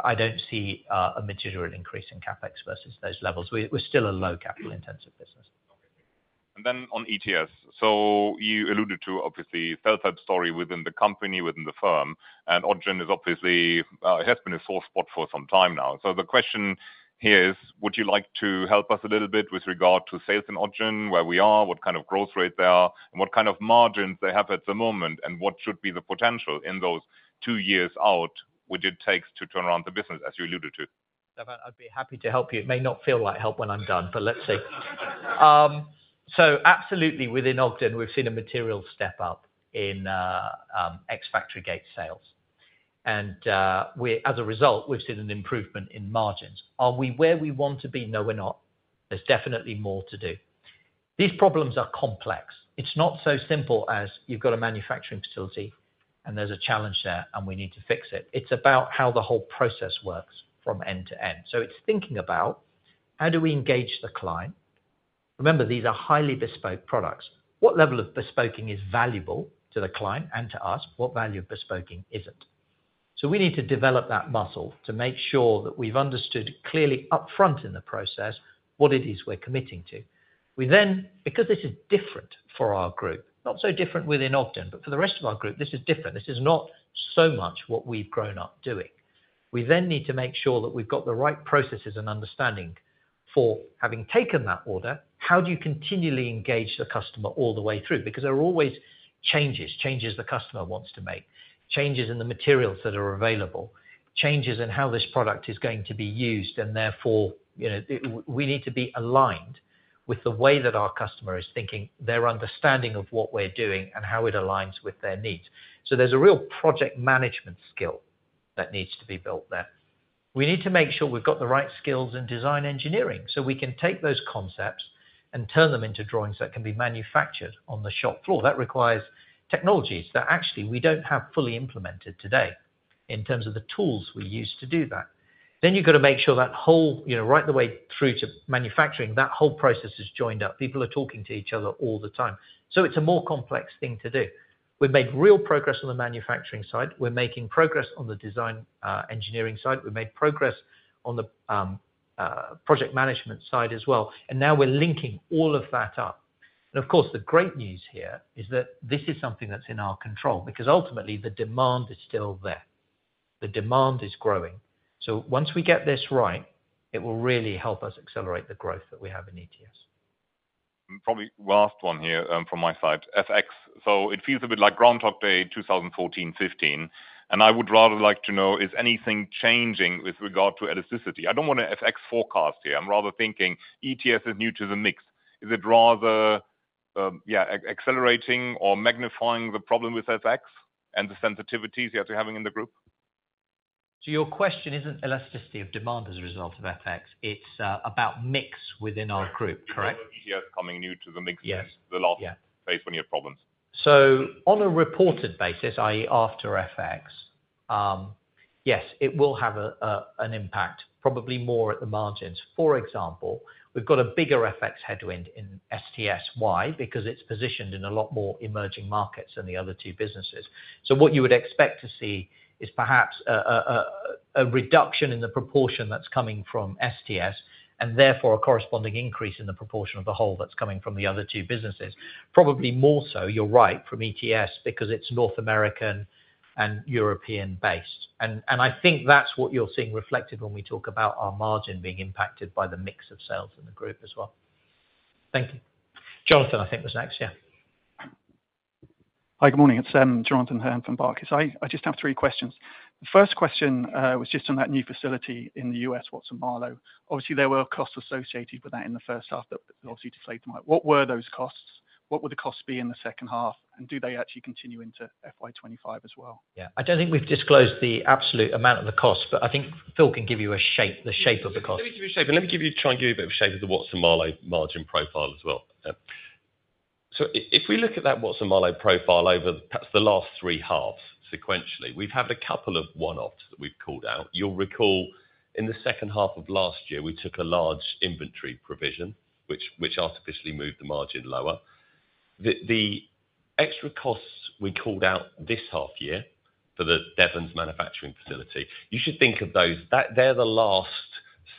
Speaker 1: I don't see a material increase in CapEx versus those levels. We're still a low capital intensive business.
Speaker 4: Okay, thank you. And then on ETS, so you alluded to, obviously, sales rep story within the company, within the firm, and Ogden is obviously, has been a sore spot for some time now. So the question here is, would you like to help us a little bit with regard to sales in Ogden, where we are, what kind of growth rate they are, and what kind of margins they have at the moment, and what should be the potential in those two years out, would it take to turn around the business, as you alluded to?
Speaker 1: Stephan, I'd be happy to help you. It may not feel like help when I'm done, but let's see. So absolutely, within Ogden, we've seen a material step up in ex-factory gate sales. And, as a result, we've seen an improvement in margins. Are we where we want to be? No, we're not. There's definitely more to do. These problems are complex. It's not so simple as you've got a manufacturing facility, and there's a challenge there, and we need to fix it. It's about how the whole process works from end to end. So it's thinking about, how do we engage the client? Remember, these are highly bespoke products. What level of bespoking is valuable to the client and to us? What value of bespoking isn't? So we need to develop that muscle to make sure that we've understood clearly upfront in the process, what it is we're committing to. We then, because this is different for our group, not so different within Ogden, but for the rest of our group, this is different. This is not so much what we've grown up doing. We then need to make sure that we've got the right processes and understanding for having taken that order, how do you continually engage the customer all the way through? Because there are always changes, changes the customer wants to make, changes in the materials that are available, changes in how this product is going to be used, and therefore, you know, we need to be aligned with the way that our customer is thinking, their understanding of what we're doing, and how it aligns with their needs. So there's a real project management skill that needs to be built there. We need to make sure we've got the right skills and design engineering, so we can take those concepts and turn them into drawings that can be manufactured on the shop floor. That requires technologies that actually we don't have fully implemented today, in terms of the tools we use to do that. Then, you've got to make sure that whole, you know, right the way through to manufacturing, that whole process is joined up. People are talking to each other all the time. So it's a more complex thing to do. We've made real progress on the manufacturing side. We're making progress on the design engineering side. We've made progress on the project management side as well, and now we're linking all of that up. Of course, the great news here is that this is something that's in our control, because ultimately, the demand is still there. The demand is growing. Once we get this right, it will really help us accelerate the growth that we have in ETS.
Speaker 4: And probably last one here, from my side. FX. So it feels a bit like Groundhog Day, 2014, 2015, and I would rather like to know, is anything changing with regard to elasticity? I don't want a FX forecast here. I'm rather thinking ETS is new to the mix. Is it rather, yeah, accelerating or magnifying the problem with FX and the sensitivities you're having in the group?
Speaker 1: So your question isn't elasticity of demand as a result of FX, it's about mix within our group, correct?
Speaker 4: Yes. ETS coming new to the mix.
Speaker 1: Yes.
Speaker 4: The last place when you have problems.
Speaker 1: So on a reported basis, i.e., after FX, yes, it will have an impact, probably more at the margins. For example, we've got a bigger FX headwind in STS. Why? Because it's positioned in a lot more emerging markets than the other two businesses. So what you would expect to see is perhaps a reduction in the proportion that's coming from STS, and therefore, a corresponding increase in the proportion of the whole that's coming from the other two businesses. Probably more so, you're right, from ETS, because it's North American and European-based. And I think that's what you're seeing reflected when we talk about our margin being impacted by the mix of sales in the group as well.
Speaker 4: Thank you.
Speaker 1: Jonathan, I think, was next. Yeah.
Speaker 5: Hi, good morning. It's Jonathan Hurn from Barclays. I just have three questions. The first question was just on that new facility in the U.S., Watson-Marlow. Obviously, there were costs associated with that in the first half, that obviously delayed them. What were those costs? What would the costs be in the second half, and do they actually continue into FY 2025 as well?
Speaker 1: Yeah. I don't think we've disclosed the absolute amount of the cost, but I think Phil can give you a shape, the shape of the cost.
Speaker 2: Let me give you a shape, and let me give you, try and give you a bit of shape of the Watson-Marlow margin profile as well. So if we look at that Watson-Marlow profile over perhaps the last three halves, sequentially, we've had a couple of one-offs that we've called out. You'll recall, in the second half of last year, we took a large inventory provision, which artificially moved the margin lower. The extra costs we called out this half year for the Devens manufacturing facility, you should think of that they're the last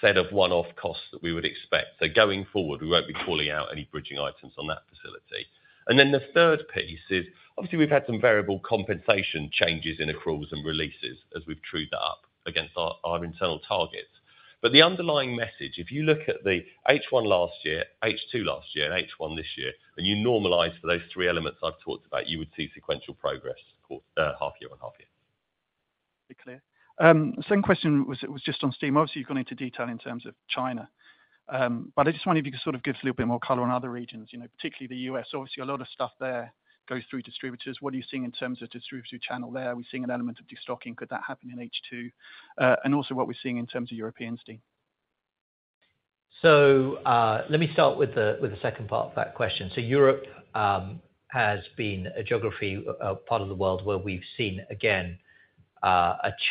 Speaker 2: set of one-off costs that we would expect. So going forward, we won't be calling out any bridging items on that facility. And then the third piece is, obviously, we've had some variable compensation changes in accruals and releases as we've trued that up against our internal targets. But the underlying message, if you look at the H1 last year, H2 last year, and H1 this year, and you normalize for those three elements I've talked about, you would see sequential progress, half year on half year.
Speaker 5: Be clear. The second question was just on Steam. Obviously, you've gone into detail in terms of China, but I just wonder if you could sort of give us a little bit more color on other regions, you know, particularly the U.S. Obviously, a lot of stuff there goes through distributors. What are you seeing in terms of distribution channel there? Are we seeing an element of destocking? Could that happen in H2? And also what we're seeing in terms of European Steam.
Speaker 1: So, let me start with the second part of that question. So Europe has been a geography, a part of the world where we've seen, again, a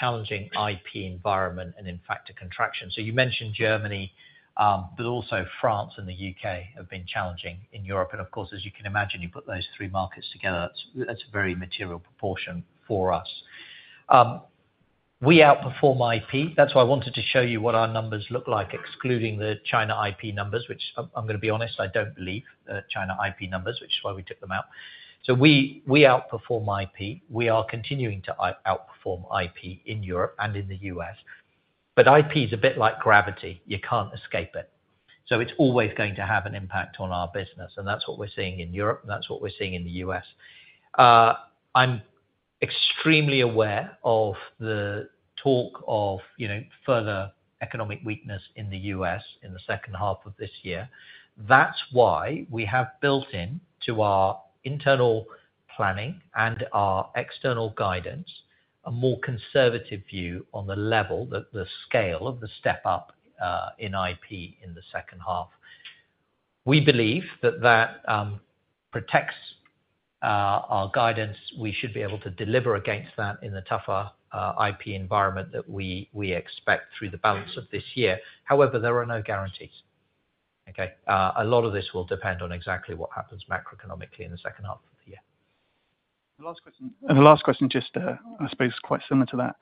Speaker 1: challenging IP environment and in fact, a contraction. So you mentioned Germany, but also France and the U.K. have been challenging in Europe. And of course, as you can imagine, you put those three markets together, that's a very material proportion for us. We outperform IP. That's why I wanted to show you what our numbers look like, excluding the China IP numbers, which I'm gonna be honest, I don't believe the China IP numbers, which is why we took them out. So we outperform IP. We are continuing to outperform IP in Europe and in the U.S. But IP is a bit like gravity. You can't escape it, so it's always going to have an impact on our business, and that's what we're seeing in Europe, and that's what we're seeing in the US. I'm extremely aware of the talk of, you know, further economic weakness in the U.S. in the second half of this year. That's why we have built in to our internal planning and our external guidance, a more conservative view on the level, the scale of the step up in IP in the second half. We believe that that protects our guidance. We should be able to deliver against that in the tougher IP environment that we expect through the balance of this year. However, there are no guarantees. Okay, a lot of this will depend on exactly what happens macroeconomically in the second half of the year.
Speaker 5: The last question, and the last question, just, I suppose, quite similar to that.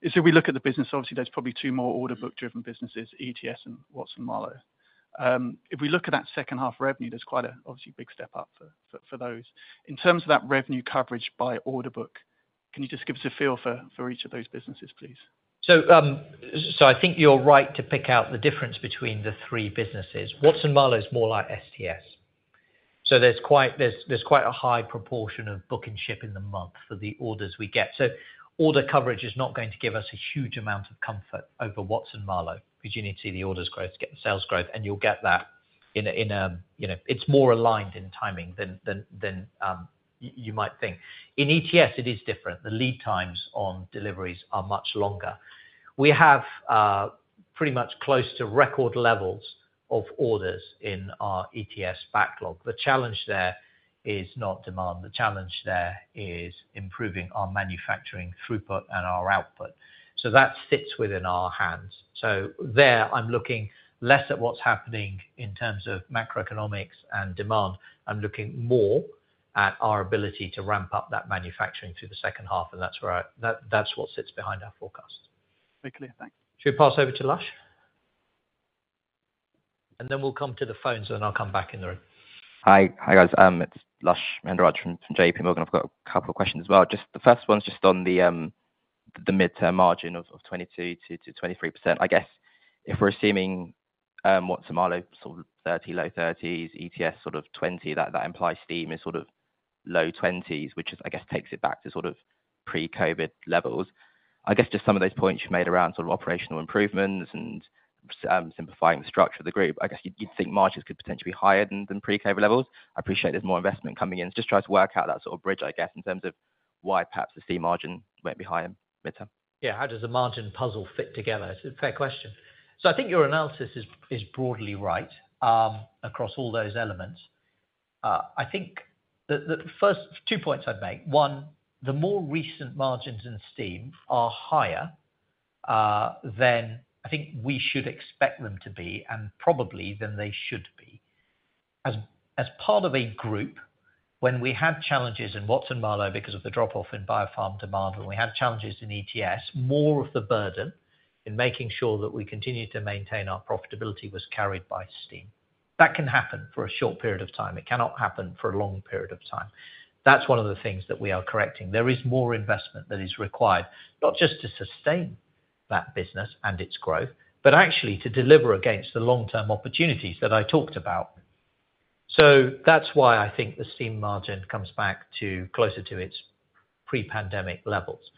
Speaker 5: If we look at the business, obviously, there's probably two more order book-driven businesses, ETS and Watson-Marlow. If we look at that second half revenue, there's quite a, obviously, big step up for those. In terms of that revenue coverage by order book, can you just give us a feel for each of those businesses, please?
Speaker 1: So I think you're right to pick out the difference between the three businesses. Watson-Marlow is more like STS. So there's quite a high proportion of book and ship in the month for the orders we get. So order coverage is not going to give us a huge amount of comfort over Watson-Marlow, because you need to see the orders growth, get the sales growth, and you'll get that in a you know, it's more aligned in timing than you might think. In ETS, it is different. The lead times on deliveries are much longer. We have pretty much close to record levels of orders in our ETS backlog. The challenge there is not demand, the challenge there is improving our manufacturing throughput and our output. So that sits within our hands. So, I'm looking less at what's happening in terms of macroeconomics and demand. I'm looking more at our ability to ramp up that manufacturing through the second half, and that's where—that's what sits behind our forecast.
Speaker 5: Very clear. Thank you.
Speaker 1: Should we pass over to Lush and then we'll come to the phones, and then I'll come back in the room.
Speaker 6: Hi. Hi, guys. It's Lush Mahendrarajah from JPMorgan. I've got a couple of questions as well. Just the first one's just on the midterm margin of 22%-23%. I guess, if we're assuming what similar sort of 30, low 30s, ETS sort of 20, that implies Steam is sort of low 20s, which is, I guess takes it back to sort of pre-COVID levels. I guess, just some of those points you made around sort of operational improvements and simplifying the structure of the group, I guess, you think margins could potentially be higher than pre-COVID levels? I appreciate there's more investment coming in. Just try to work out that sort of bridge, I guess, in terms of why perhaps the Steam margin might be higher midterm.
Speaker 1: Yeah, how does the margin puzzle fit together? It's a fair question. So I think your analysis is broadly right across all those elements. I think that the first two points I'd make, one, the more recent margins in Steam are higher than I think we should expect them to be, and probably than they should be. As part of a group, when we had challenges in Watson-Marlow because of the drop-off in biopharm demand, when we had challenges in ETS, more of the burden in making sure that we continued to maintain our profitability was carried by Steam. That can happen for a short period of time. It cannot happen for a long period of time. That's one of the things that we are correcting. There is more investment that is required, not just to sustain that business and its growth, but actually to deliver against the long-term opportunities that I talked about. So that's why I think the Steam margin comes back to closer to its pre-pandemic levels.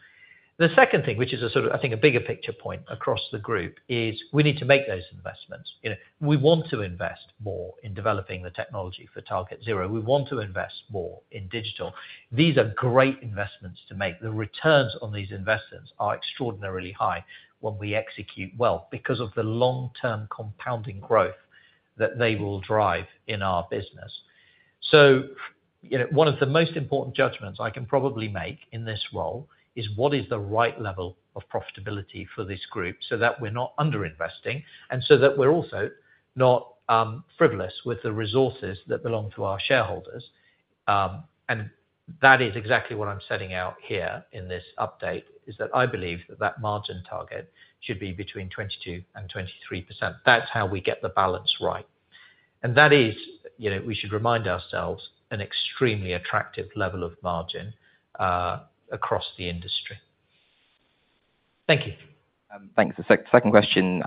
Speaker 1: The second thing, which is a sort of, I think, a bigger picture point across the group, is we need to make those investments. You know, we want to invest more in developing the technology for TargetZero. We want to invest more in digital. These are great investments to make. The returns on these investments are extraordinarily high when we execute well, because of the long-term compounding growth that they will drive in our business. So, you know, one of the most important judgments I can probably make in this role is what is the right level of profitability for this group, so that we're not under-investing, and so that we're also not frivolous with the resources that belong to our shareholders. And that is exactly what I'm setting out here in this update, is that I believe that that margin target should be between 22% and 23%. That's how we get the balance right. And that is, you know, we should remind ourselves, an extremely attractive level of margin across the industry. Thank you.
Speaker 6: Thanks. The second question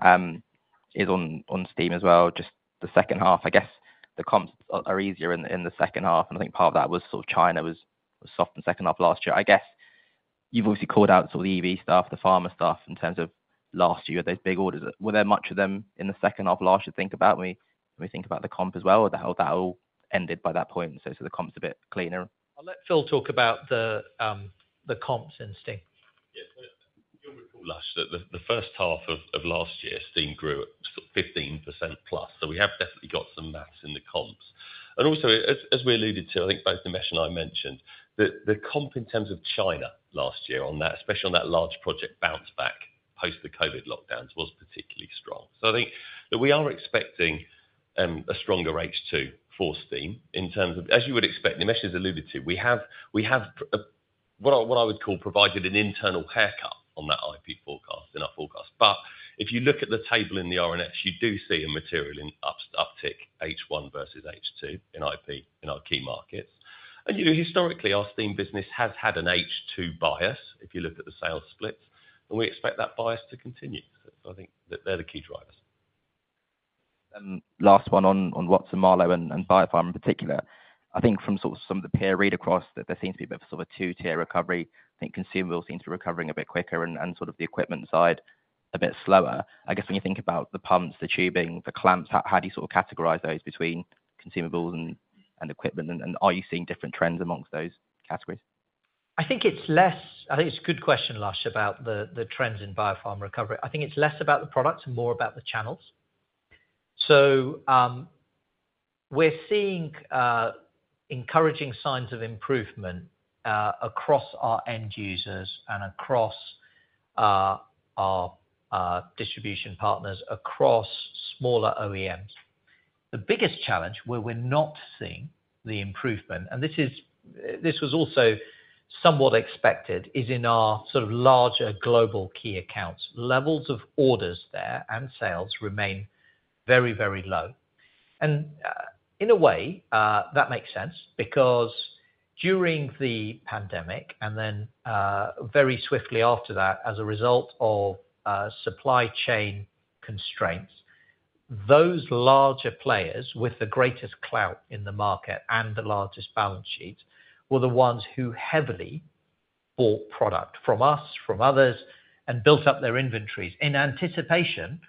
Speaker 6: is on Steam as well. Just the second half, I guess, the comps are easier in the second half, and I think part of that was sort of China was soft in the second half last year. I guess, you've obviously called out sort of the EV stuff, the pharma stuff, in terms of last year, those big orders. Were there much of them in the second half last year, think about when we think about the comp as well, or how that all ended by that point, so the comp's a bit cleaner?
Speaker 1: I'll let Phil talk about the comps in Steam.
Speaker 2: Yes, you'll recall, Lush, that the first half of last year, Steam grew at sort of 15%+. So we have definitely got some math in the comps. And also, as we alluded to, I think both Nimesh and I mentioned, that the comp in terms of China last year on that, especially on that large project, bounced back post the COVID lockdowns, was particularly strong. So I think that we are expecting a stronger H2 for Steam in terms of. As you would expect, Nimesh has alluded to, we have what I would call provided an internal haircut on that IP forecast in our forecast. But if you look at the table in the RNS, you do see a material uptick H1 versus H2 in IP in our key markets. You know, historically, our Steam business has had an H2 bias, if you looked at the sales splits, and we expect that bias to continue. I think that they're the key drivers.
Speaker 6: Last one on Watson-Marlow and Biopharm in particular. I think from sort of some of the peer read across, that there seems to be a bit of a sort of a two-tier recovery. I think consumables seem to be recovering a bit quicker and sort of the equipment side a bit slower. I guess when you think about the pumps, the tubing, the clamps, how do you sort of categorize those between consumables and equipment? And are you seeing different trends among those categories?
Speaker 1: I think it's a good question, Lush, about the trends in biopharm recovery. I think it's less about the products and more about the channels. So, we're seeing encouraging signs of improvement across our end users and across our distribution partners, across smaller OEMs. The biggest challenge where we're not seeing the improvement, and this was also somewhat expected, is in our sort of larger global key accounts. Levels of orders there and sales remain very, very low. In a way, that makes sense, because during the pandemic, and then very swiftly after that, as a result of supply chain constraints, those larger players with the greatest clout in the market and the largest balance sheets were the ones who heavily bought product from us, from others, and built up their inventories in anticipation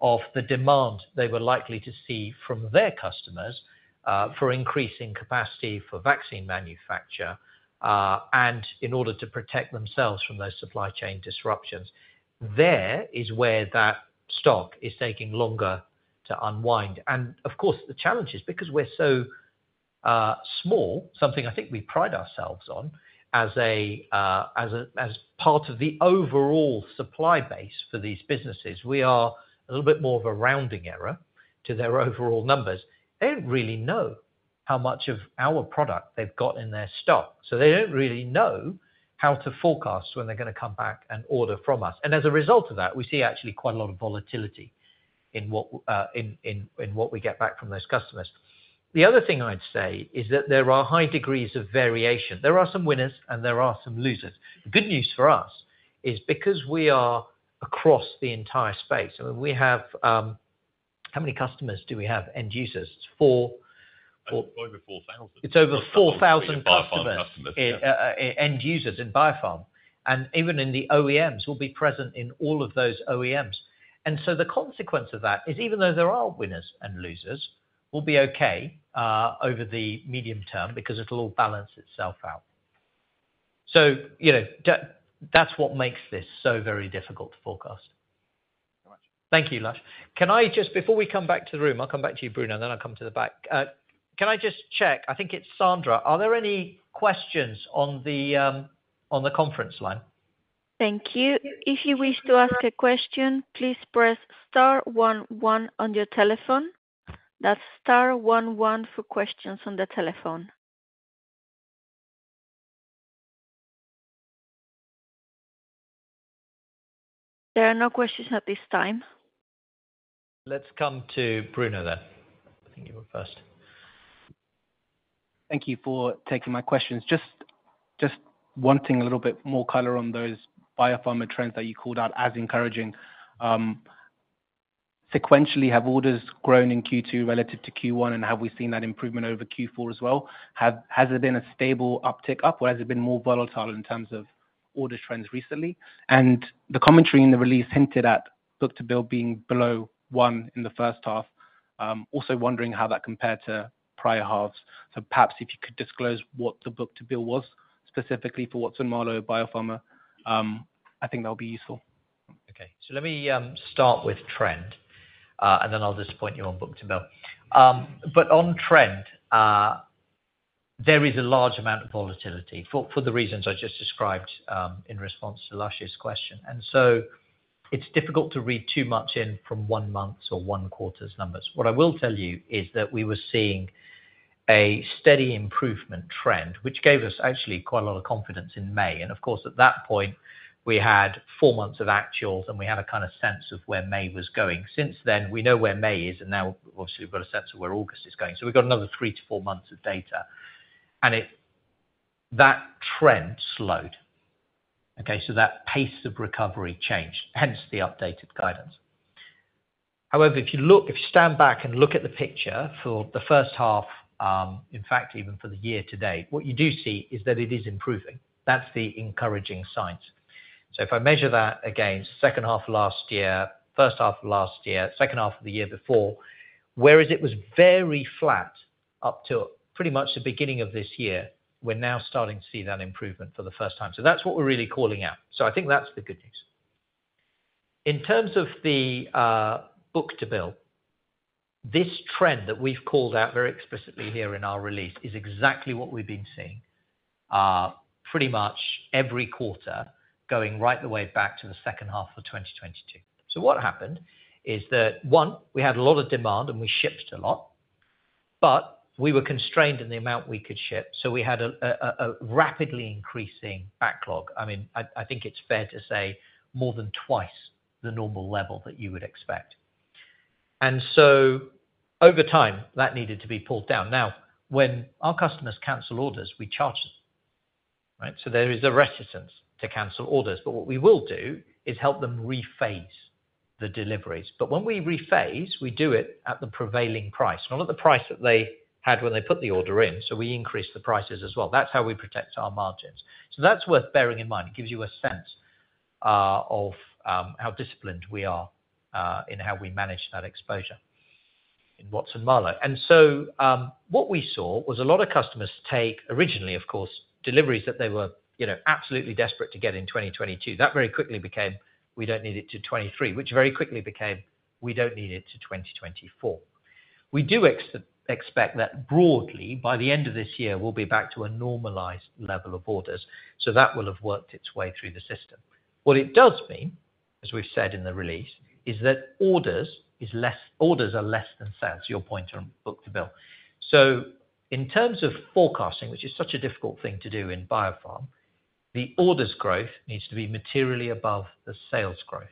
Speaker 1: of the demand they were likely to see from their customers for increasing capacity for vaccine manufacture, and in order to protect themselves from those supply chain disruptions. There is where that stock is taking longer to unwind. Of course, the challenge is because we're so small, something I think we pride ourselves on as part of the overall supply base for these businesses, we are a little bit more of a rounding error to their overall numbers. They don't really know how much of our product they've got in their stock, so they don't really know how to forecast when they're gonna come back and order from us. And as a result of that, we see actually quite a lot of volatility in what we get back from those customers. The other thing I'd say is that there are high degrees of variation. There are some winners, and there are some losers. The good news for us is because we are across the entire space, I mean, we have, how many customers do we have, end users? Four.
Speaker 2: Over 4,000.
Speaker 1: It's over 4,000 customers-
Speaker 2: Biopharma customers.
Speaker 1: End users in biopharm, and even in the OEMs, we'll be present in all of those OEMs. And so the consequence of that is, even though there are winners and losers, we'll be okay over the medium term because it'll all balance itself out. So, you know, that, that's what makes this so very difficult to forecast.
Speaker 6: Thank you very much. Thank you, Lush. Can I just, before we come back to the room, I'll come back to you, Bruno, and then I'll come to the back. Can I just check? I think it's Sandra. Are there any questions on the, on the conference line?
Speaker 7: Thank you. If you wish to ask a question, please press star one one on your telephone. That's star one one for questions on the telephone. There are no questions at this time.
Speaker 1: Let's come to Bruno then. I think you were first.
Speaker 8: Thank you for taking my questions. Just, just wanting a little bit more color on those biopharma trends that you called out as encouraging. Sequentially, have orders grown in Q2 relative to Q1, and have we seen that improvement over Q4 as well? Have it been a stable uptick, or has it been more volatile in terms of order trends recently? And the commentary in the release hinted at Book-to-Bill being below one in the first half. Also wondering how that compared to prior halves. So perhaps if you could disclose what the Book-to-Bill was, specifically for Watson-Marlow Biopharma, I think that would be useful.
Speaker 1: Okay. So let me start with trend, and then I'll disappoint you on Book-to-Bill. But on trend, there is a large amount of volatility for the reasons I just described in response to Lush's question. And so it's difficult to read too much in from one month's or one quarter's numbers. What I will tell you is that we were seeing a steady improvement trend, which gave us actually quite a lot of confidence in May. And of course, at that point, we had four months of actuals, and we had a kind of sense of where May was going. Since then, we know where May is, and now obviously we've got a sense of where August is going. So we've got another three to four months of data, and that trend slowed, okay? So that pace of recovery changed, hence the updated guidance. However, if you look if you stand back and look at the picture for the first half, in fact, even for the year to date, what you do see is that it is improving. That's the encouraging signs. So if I measure that against second half of last year, first half of last year, second half of the year before, whereas it was very flat up to pretty much the beginning of this year, we're now starting to see that improvement for the first time. So that's what we're really calling out. So I think that's the good news. In terms of the Book-to-Bill, this trend that we've called out very explicitly here in our release is exactly what we've been seeing pretty much every quarter, going right the way back to the second half of 2022. So what happened is that, one, we had a lot of demand, and we shipped a lot, but we were constrained in the amount we could ship, so we had a rapidly increasing backlog. I mean, I think it's fair to say more than twice the normal level that you would expect. And so over time, that needed to be pulled down. Now, when our customers cancel orders, we charge them, right? So there is a reticence to cancel orders, but what we will do is help them rephase the deliveries. But when we rephase, we do it at the prevailing price, not at the price that they had when they put the order in, so we increase the prices as well. That's how we protect our margins. So that's worth bearing in mind. It gives you a sense of how disciplined we are in how we manage that exposure in Watson-Marlow. And so, what we saw was a lot of customers take, originally, of course, deliveries that they were, you know, absolutely desperate to get in 2022. That very quickly became, we don't need it till 2023, which very quickly became, we don't need it till 2024. We do expect that broadly, by the end of this year, we'll be back to a normalized level of orders. So that will have worked its way through the system. What it does mean, as we've said in the release, is that orders is less - orders are less than sales, your point on Book-to-Bill. So in terms of forecasting, which is such a difficult thing to do in biopharm, the orders growth needs to be materially above the sales growth,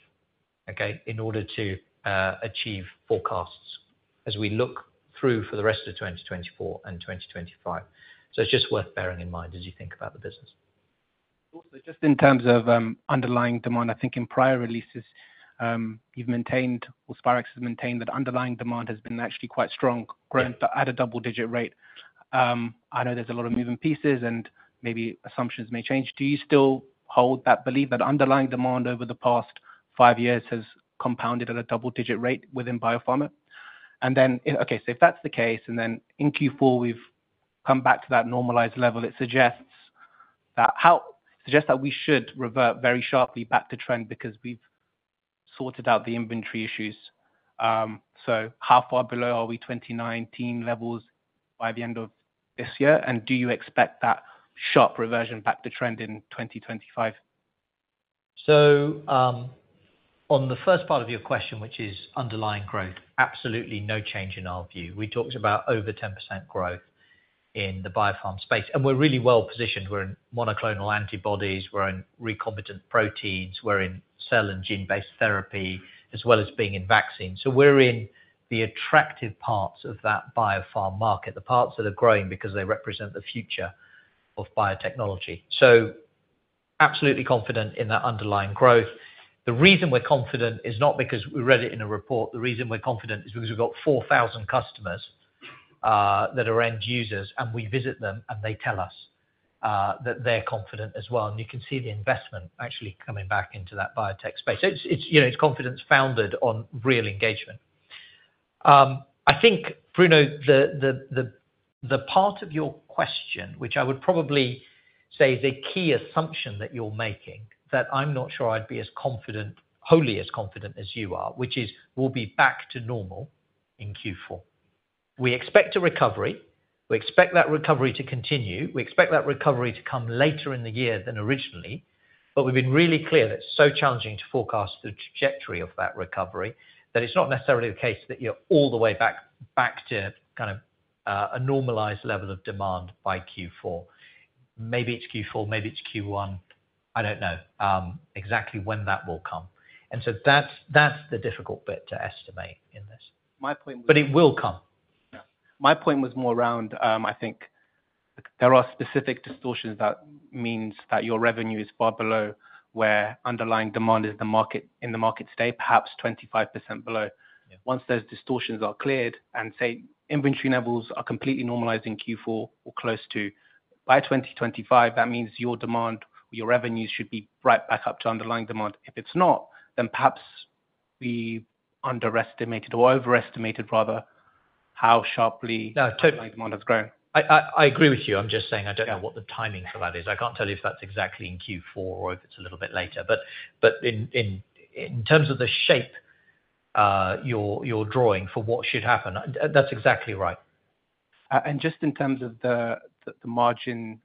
Speaker 1: okay, in order to achieve forecasts as we look through for the rest of 2024 and 2025. So it's just worth bearing in mind as you think about the business.
Speaker 8: Also, just in terms of underlying demand, I think in prior releases, you've maintained, or Spirax has maintained, that underlying demand has been actually quite strong growing at a double-digit rate. I know there's a lot of moving pieces, and maybe assumptions may change. Do you still hold that belief, that underlying demand over the past five years has compounded at a double-digit rate within biopharma? And then, okay, so if that's the case, and then in Q4, we've come back to that normalized level, it suggests that we should revert very sharply back to trend because we've sorted out the inventory issues. So how far below are we 2019 levels by the end of this year, and do you expect that sharp reversion back to trend in 2025?
Speaker 1: On the first part of your question, which is underlying growth, absolutely no change in our view. We talked about over 10% growth in the biopharm space, and we're really well positioned. We're in monoclonal antibodies, we're in recombinant proteins, we're in cell and gene based therapy, as well as being in vaccines. So we're in the attractive parts of that biopharm market, the parts that are growing because they represent the future of biotechnology. So absolutely confident in that underlying growth. The reason we're confident is not because we read it in a report. The reason we're confident is because we've got 4,000 customers that are end users, and we visit them, and they tell us that they're confident as well. And you can see the investment actually coming back into that biotech space. So it's, you know, it's confidence founded on real engagement. I think, Bruno, the part of your question, which I would probably say is a key assumption that you're making, that I'm not sure I'd be as confident, wholly as confident as you are, which is, we'll be back to normal in Q4. We expect a recovery. We expect that recovery to continue. We expect that recovery to come later in the year than originally, but we've been really clear that it's so challenging to forecast the trajectory of that recovery, that it's not necessarily the case that you're all the way back, back to kind of, a normalized level of demand by Q4. Maybe it's Q4, maybe it's Q1. I don't know, exactly when that will come. And so that's, that's the difficult bit to estimate in this.
Speaker 8: My point was.
Speaker 1: But it will come.
Speaker 8: Yeah. My point was more around, I think there are specific distortions that means that your revenue is far below, where underlying demand is the market, in the market today, perhaps 25% below. Once those distortions are cleared and, say, inventory levels are completely normalized in Q4 or close to, by 2025, that means your demand, your revenues should be right back up to underlying demand. If it's not, then perhaps we underestimated or overestimated rather, how sharply.
Speaker 1: No, totally.
Speaker 8: Underlying demand has grown.
Speaker 1: I agree with you. I'm just saying I don't know what the timing for that is. I can't tell you if that's exactly in Q4 or if it's a little bit later, but in terms of the shape, you're drawing for what should happen, that's exactly right.
Speaker 8: And just in terms of the margin,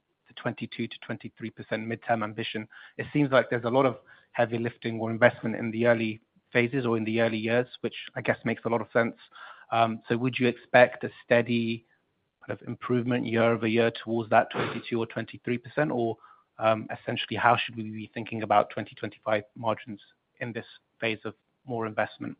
Speaker 8: the 22%-23% midterm ambition, it seems like there's a lot of heavy lifting or investment in the early phases or in the early years, which I guess makes a lot of sense. So would you expect a steady kind of improvement year-over-year towards that 22% or 23%? Or, essentially, how should we be thinking about 2025 margins in this phase of more investment?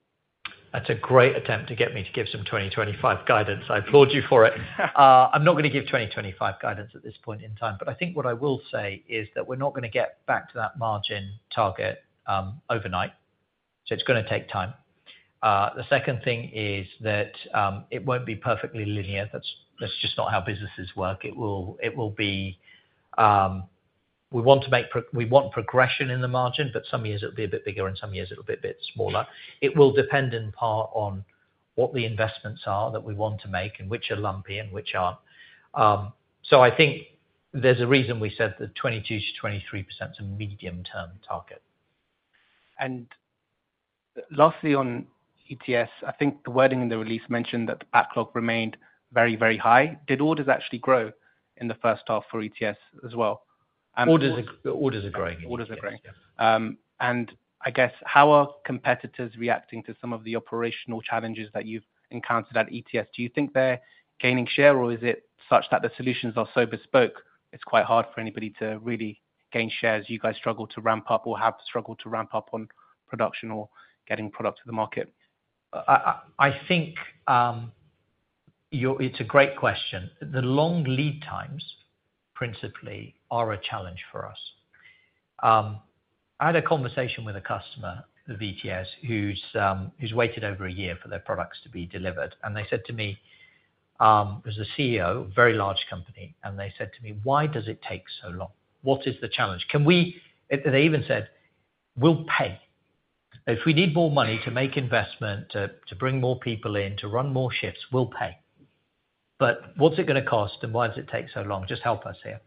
Speaker 1: That's a great attempt to get me to give some 2025 guidance. I applaud you for it. I'm not gonna give 2025 guidance at this point in time, but I think what I will say is that we're not gonna get back to that margin target, so it's gonna take time. The second thing is that, it won't be perfectly linear. That's just not how businesses work. It will be, we want to make progression in the margin, but some years it'll be a bit bigger, and some years it'll be a bit smaller. It will depend in part on what the investments are that we want to make and which are lumpy and which aren't. So I think there's a reason we said that 22%-23% is a medium-term target.
Speaker 8: Lastly, on ETS, I think the wording in the release mentioned that the backlog remained very, very high. Did orders actually grow in the first half for ETS as well?
Speaker 1: Orders are, orders are growing.
Speaker 8: Orders are growing.
Speaker 1: Yes.
Speaker 8: And I guess, how are competitors reacting to some of the operational challenges that you've encountered at ETS? Do you think they're gaining share, or is it such that the solutions are so bespoke, it's quite hard for anybody to really gain share, as you guys struggle to ramp up or have struggled to ramp up on production or getting product to the market?
Speaker 1: I think you're. It's a great question. The long lead times, principally, are a challenge for us. I had a conversation with a customer of ETS, who's waited over a year for their products to be delivered, and they said to me, as a CEO, very large company, and they said to me, "Why does it take so long? What is the challenge? Can we," They even said, "We'll pay. If we need more money to make investment, to bring more people in, to run more shifts, we'll pay. But what's it gonna cost, and why does it take so long? Just help us here."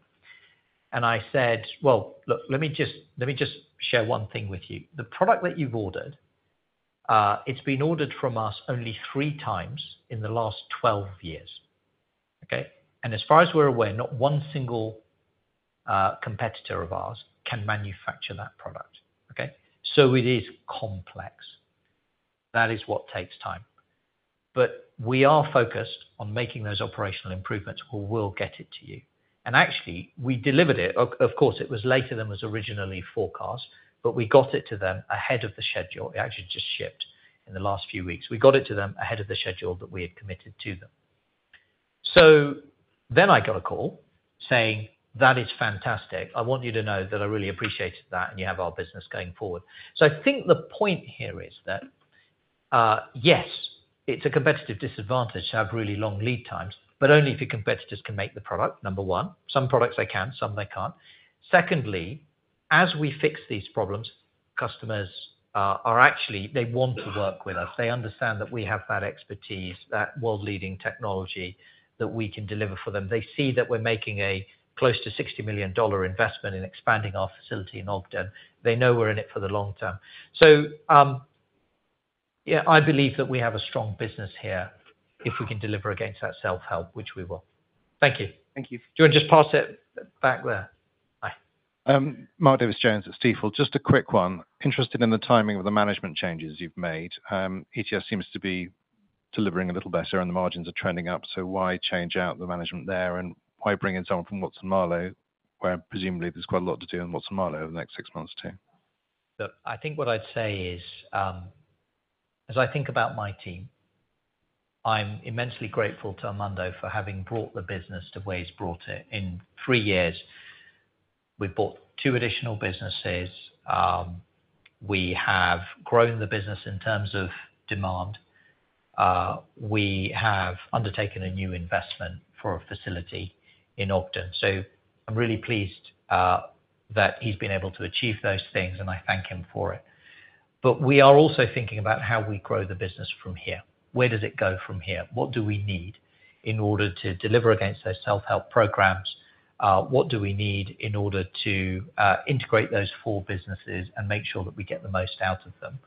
Speaker 1: And I said, "Well, look, let me just, let me just share one thing with you. The product that you've ordered, it's been ordered from us only 3x in the last 12 years, okay? And as far as we're aware, not one single, competitor of ours can manufacture that product, okay? So it is complex. That is what takes time. But we are focused on making those operational improvements, we will get it to you." And actually, we delivered it. Of course, it was later than was originally forecast, but we got it to them ahead of the schedule. It actually just shipped in the last few weeks. We got it to them ahead of the schedule that we had committed to them. So then I got a call saying: "That is fantastic. I want you to know that I really appreciated that, and you have our business going forward." So I think the point here is that, yes, it's a competitive disadvantage to have really long lead times, but only if your competitors can make the product, number one. Some products they can, some they can't. Secondly, as we fix these problems, customers are actually they want to work with us. They understand that we have that expertise, that world-leading technology that we can deliver for them. They see that we're making a close to $60 million investment in expanding our facility in Ogden. They know we're in it for the long term. So, yeah, I believe that we have a strong business here, if we can deliver against that self-help, which we will. Thank you.
Speaker 8: Thank you.
Speaker 1: Do you wanna just pass it back there? Hi.
Speaker 9: Mark Davies Jones at Stifel. Just a quick one. Interested in the timing of the management changes you've made. ETS seems to be delivering a little better, and the margins are trending up, so why change out the management there? And why bring in someone from Watson-Marlow, where presumably there's quite a lot to do in Watson-Marlow over the next six months, too?
Speaker 1: Look, I think what I'd say is, as I think about my team, I'm immensely grateful to Armando for having brought the business to where he's brought it. In three years, we've bought two additional businesses. We have grown the business in terms of demand. We have undertaken a new investment for a facility in Ogden. So I'm really pleased that he's been able to achieve those things, and I thank him for it. But we are also thinking about how we grow the business from here. Where does it go from here? What do we need in order to deliver against those self-help programs? What do we need in order to integrate those four businesses and make sure that we get the most out of them?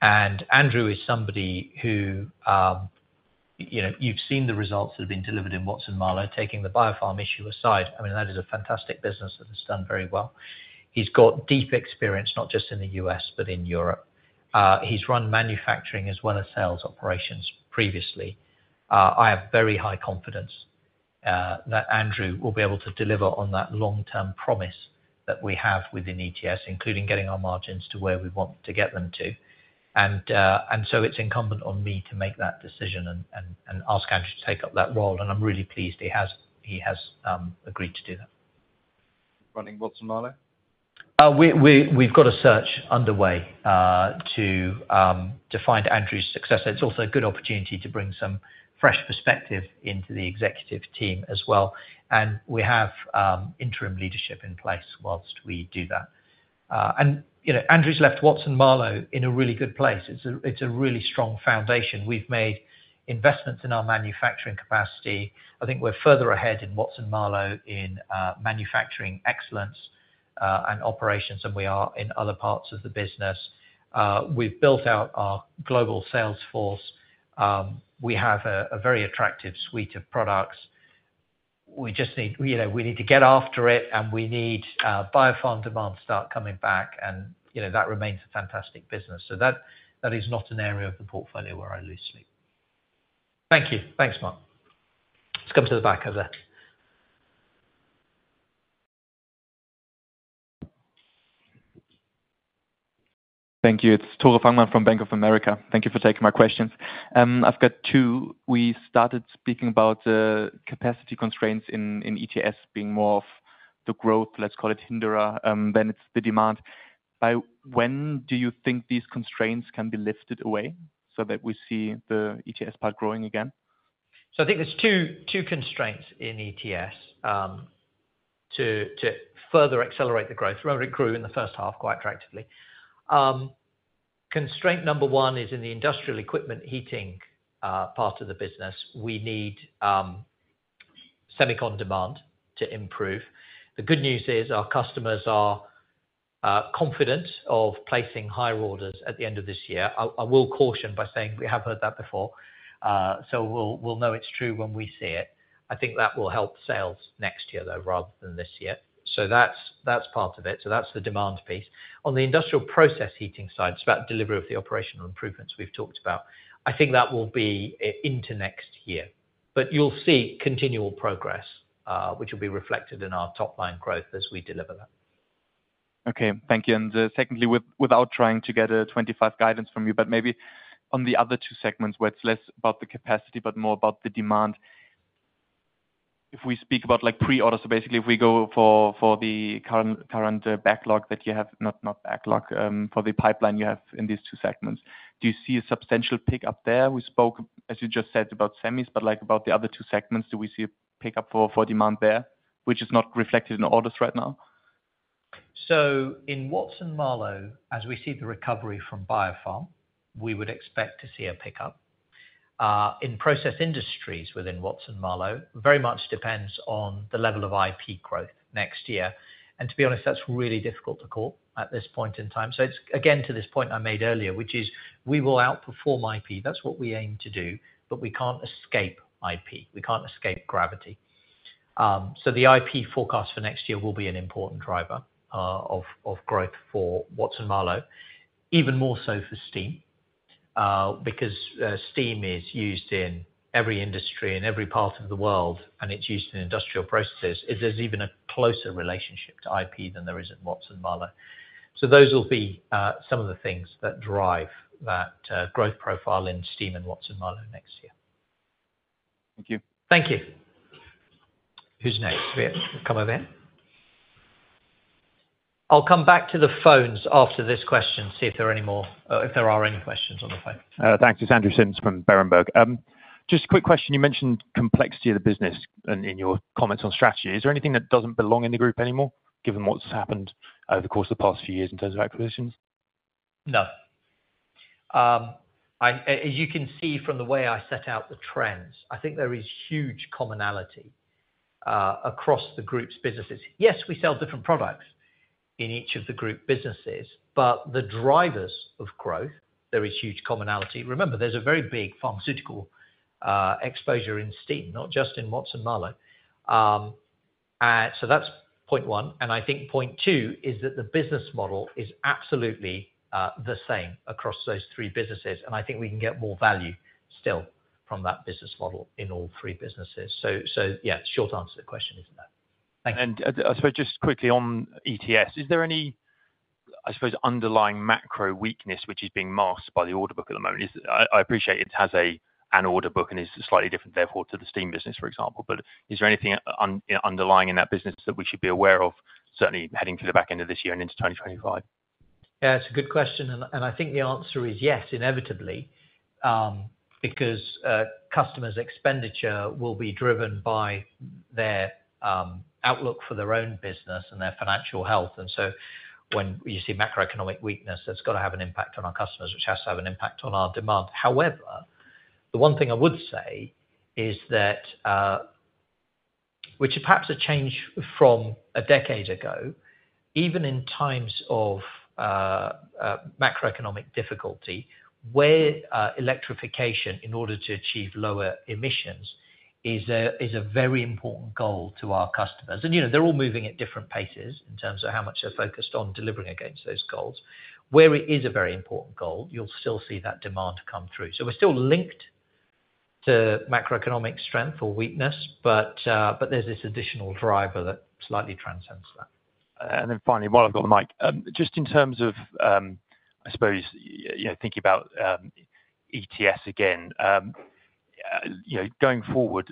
Speaker 1: And Andrew is somebody who, you know, you've seen the results that have been delivered in Watson-Marlow, taking the biopharm issue aside. I mean, that is a fantastic business that has done very well. He's got deep experience, not just in the U.S., but in Europe. He's run manufacturing as well as sales operations previously. I have very high confidence that Andrew will be able to deliver on that long-term promise that we have within ETS, including getting our margins to where we want to get them to. And, and so it's incumbent on me to make that decision and, and, and ask Andrew to take up that role, and I'm really pleased he has, he has, agreed to do that.
Speaker 9: Running Watson-Marlow?
Speaker 1: We've got a search underway to find Andrew's successor. It's also a good opportunity to bring some fresh perspective into the executive team as well, and we have interim leadership in place whilst we do that. And, you know, Andrew's left Watson-Marlow in a really good place. It's a really strong foundation. We've made investments in our manufacturing capacity. I think we're further ahead in Watson-Marlow in manufacturing excellence and operations than we are in other parts of the business. We've built out our global sales force. We have a very attractive suite of products. We just need, you know, we need to get after it, and we need biopharm demand to start coming back, and, you know, that remains a fantastic business. So that is not an area of the portfolio where I lose sleep. Thank you. Thanks, Mark. Let's come to the back over there.
Speaker 10: Thank you. It's Tore Fangmann from Bank of America. Thank you for taking my questions. I've got two. We started speaking about the capacity constraints in ETS being more of the growth, let's call it, hinderer than it's the demand. By when do you think these constraints can be lifted away so that we see the ETS part growing again?
Speaker 1: So I think there's two constraints in ETS to further accelerate the growth. Remember it grew in the first half quite dramatically. Constraint number one is in the Industrial Equipment Heating part of the business. We need semicon demand to improve. The good news is our customers are confident of placing higher orders at the end of this year. I will caution by saying we have heard that before, so we'll know it's true when we see it. I think that will help sales next year, though, rather than this year. So that's part of it. So that's the demand piece. On the Industrial Process Heating side, it's about delivery of the operational improvements we've talked about. I think that will be into next year. But you'll see continual progress, which will be reflected in our top line growth as we deliver that.
Speaker 10: Okay. Thank you. And, secondly, without trying to get a 25 guidance from you, but maybe on the other two segments, where it's less about the capacity, but more about the demand. If we speak about, like, pre-orders, so basically, if we go for the current backlog that you have—not backlog, for the pipeline you have in these two segments, do you see a substantial pick-up there? We spoke, as you just said, about semis, but, like, about the other two segments, do we see a pick-up for demand there, which is not reflected in the orders right now?
Speaker 1: So in Watson-Marlow, as we see the recovery from biopharm, we would expect to see a pick-up. In Process Industries within Watson-Marlow, very much depends on the level of IP growth next year. And to be honest, that's really difficult to call at this point in time. So it's, again, to this point I made earlier, which is we will outperform IP. That's what we aim to do, but we can't escape IP. We can't escape gravity. So the IP forecast for next year will be an important driver, of, of growth for Watson-Marlow. Even more so for Steam, because Steam is used in every industry in every part of the world, and it's used in industrial processes. It has even a closer relationship to IP than there is in Watson-Marlow. So those will be some of the things that drive that growth profile in Steam in Watson-Marlow next year.
Speaker 10: Thank you.
Speaker 1: Thank you. Who's next? Yeah, come over here. I'll come back to the phones after this question, see if there are any more, if there are any questions on the phone.
Speaker 11: Thanks. It's Andrew Sims from Berenberg. Just a quick question. You mentioned complexity of the business in your comments on strategy. Is there anything that doesn't belong in the group anymore, given what's happened over the course of the past few years in terms of acquisitions?
Speaker 1: No. As you can see from the way I set out the trends, I think there is huge commonality across the group's businesses. Yes, we sell different products in each of the group businesses, but the drivers of growth, there is huge commonality. Remember, there's a very big pharmaceutical exposure in Steam, not just in Watson-Marlow. So that's point one, and I think point two is that the business model is absolutely the same across those three businesses, and I think we can get more value still from that business model in all three businesses. So yeah, short answer to the question is that. Thank you.
Speaker 11: I suppose just quickly on ETS, is there any, I suppose, underlying macro weakness, which is being masked by the order book at the moment? I appreciate it has an order book, and is slightly different therefore to the Steam business, for example, but is there anything underlying in that business that we should be aware of, certainly heading to the back end of this year and into 2025?
Speaker 1: Yeah, it's a good question, and I think the answer is yes, inevitably. Because customers' expenditure will be driven by their outlook for their own business and their financial health. And so when you see macroeconomic weakness, that's gotta have an impact on our customers, which has to have an impact on our demand. However, the one thing I would say is that which is perhaps a change from a decade ago, even in times of macroeconomic difficulty, where electrification in order to achieve lower emissions is a very important goal to our customers. And, you know, they're all moving at different paces in terms of how much they're focused on delivering against those goals. Where it is a very important goal, you'll still see that demand come through. So we're still linked to macroeconomic strength or weakness, but, but there's this additional driver that slightly transcends that.
Speaker 11: And then finally, while I've got the mic, just in terms of, I suppose, you know, thinking about ETS again, you know, going forward,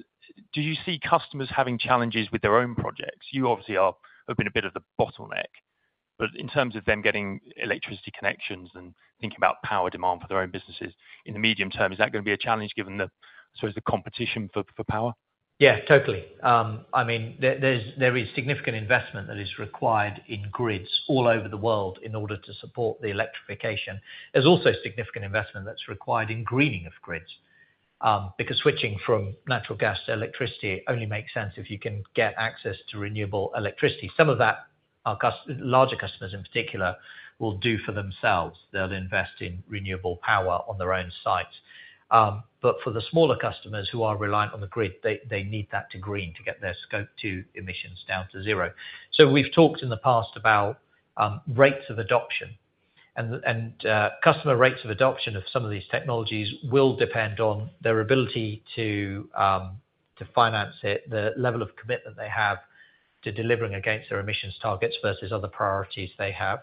Speaker 11: do you see customers having challenges with their own projects? You obviously are, have been a bit of the bottleneck, but in terms of them getting electricity connections and thinking about power demand for their own businesses, in the medium term, is that gonna be a challenge, given the, I suppose, the competition for power?
Speaker 1: Yeah, totally. I mean, there is significant investment that is required in grids all over the world in order to support the electrification. There's also significant investment that's required in greening of grids, because switching from natural gas to electricity only makes sense if you can get access to renewable electricity. Some of that our larger customers in particular will do for themselves. They'll invest in renewable power on their own site. But for the smaller customers who are reliant on the grid, they need that to green to get their Scope 2 emissions down to zero. So we've talked in the past about rates of adoption, and customer rates of adoption of some of these technologies will depend on their ability to finance it, the level of commitment they have to delivering against their emissions targets versus other priorities they have.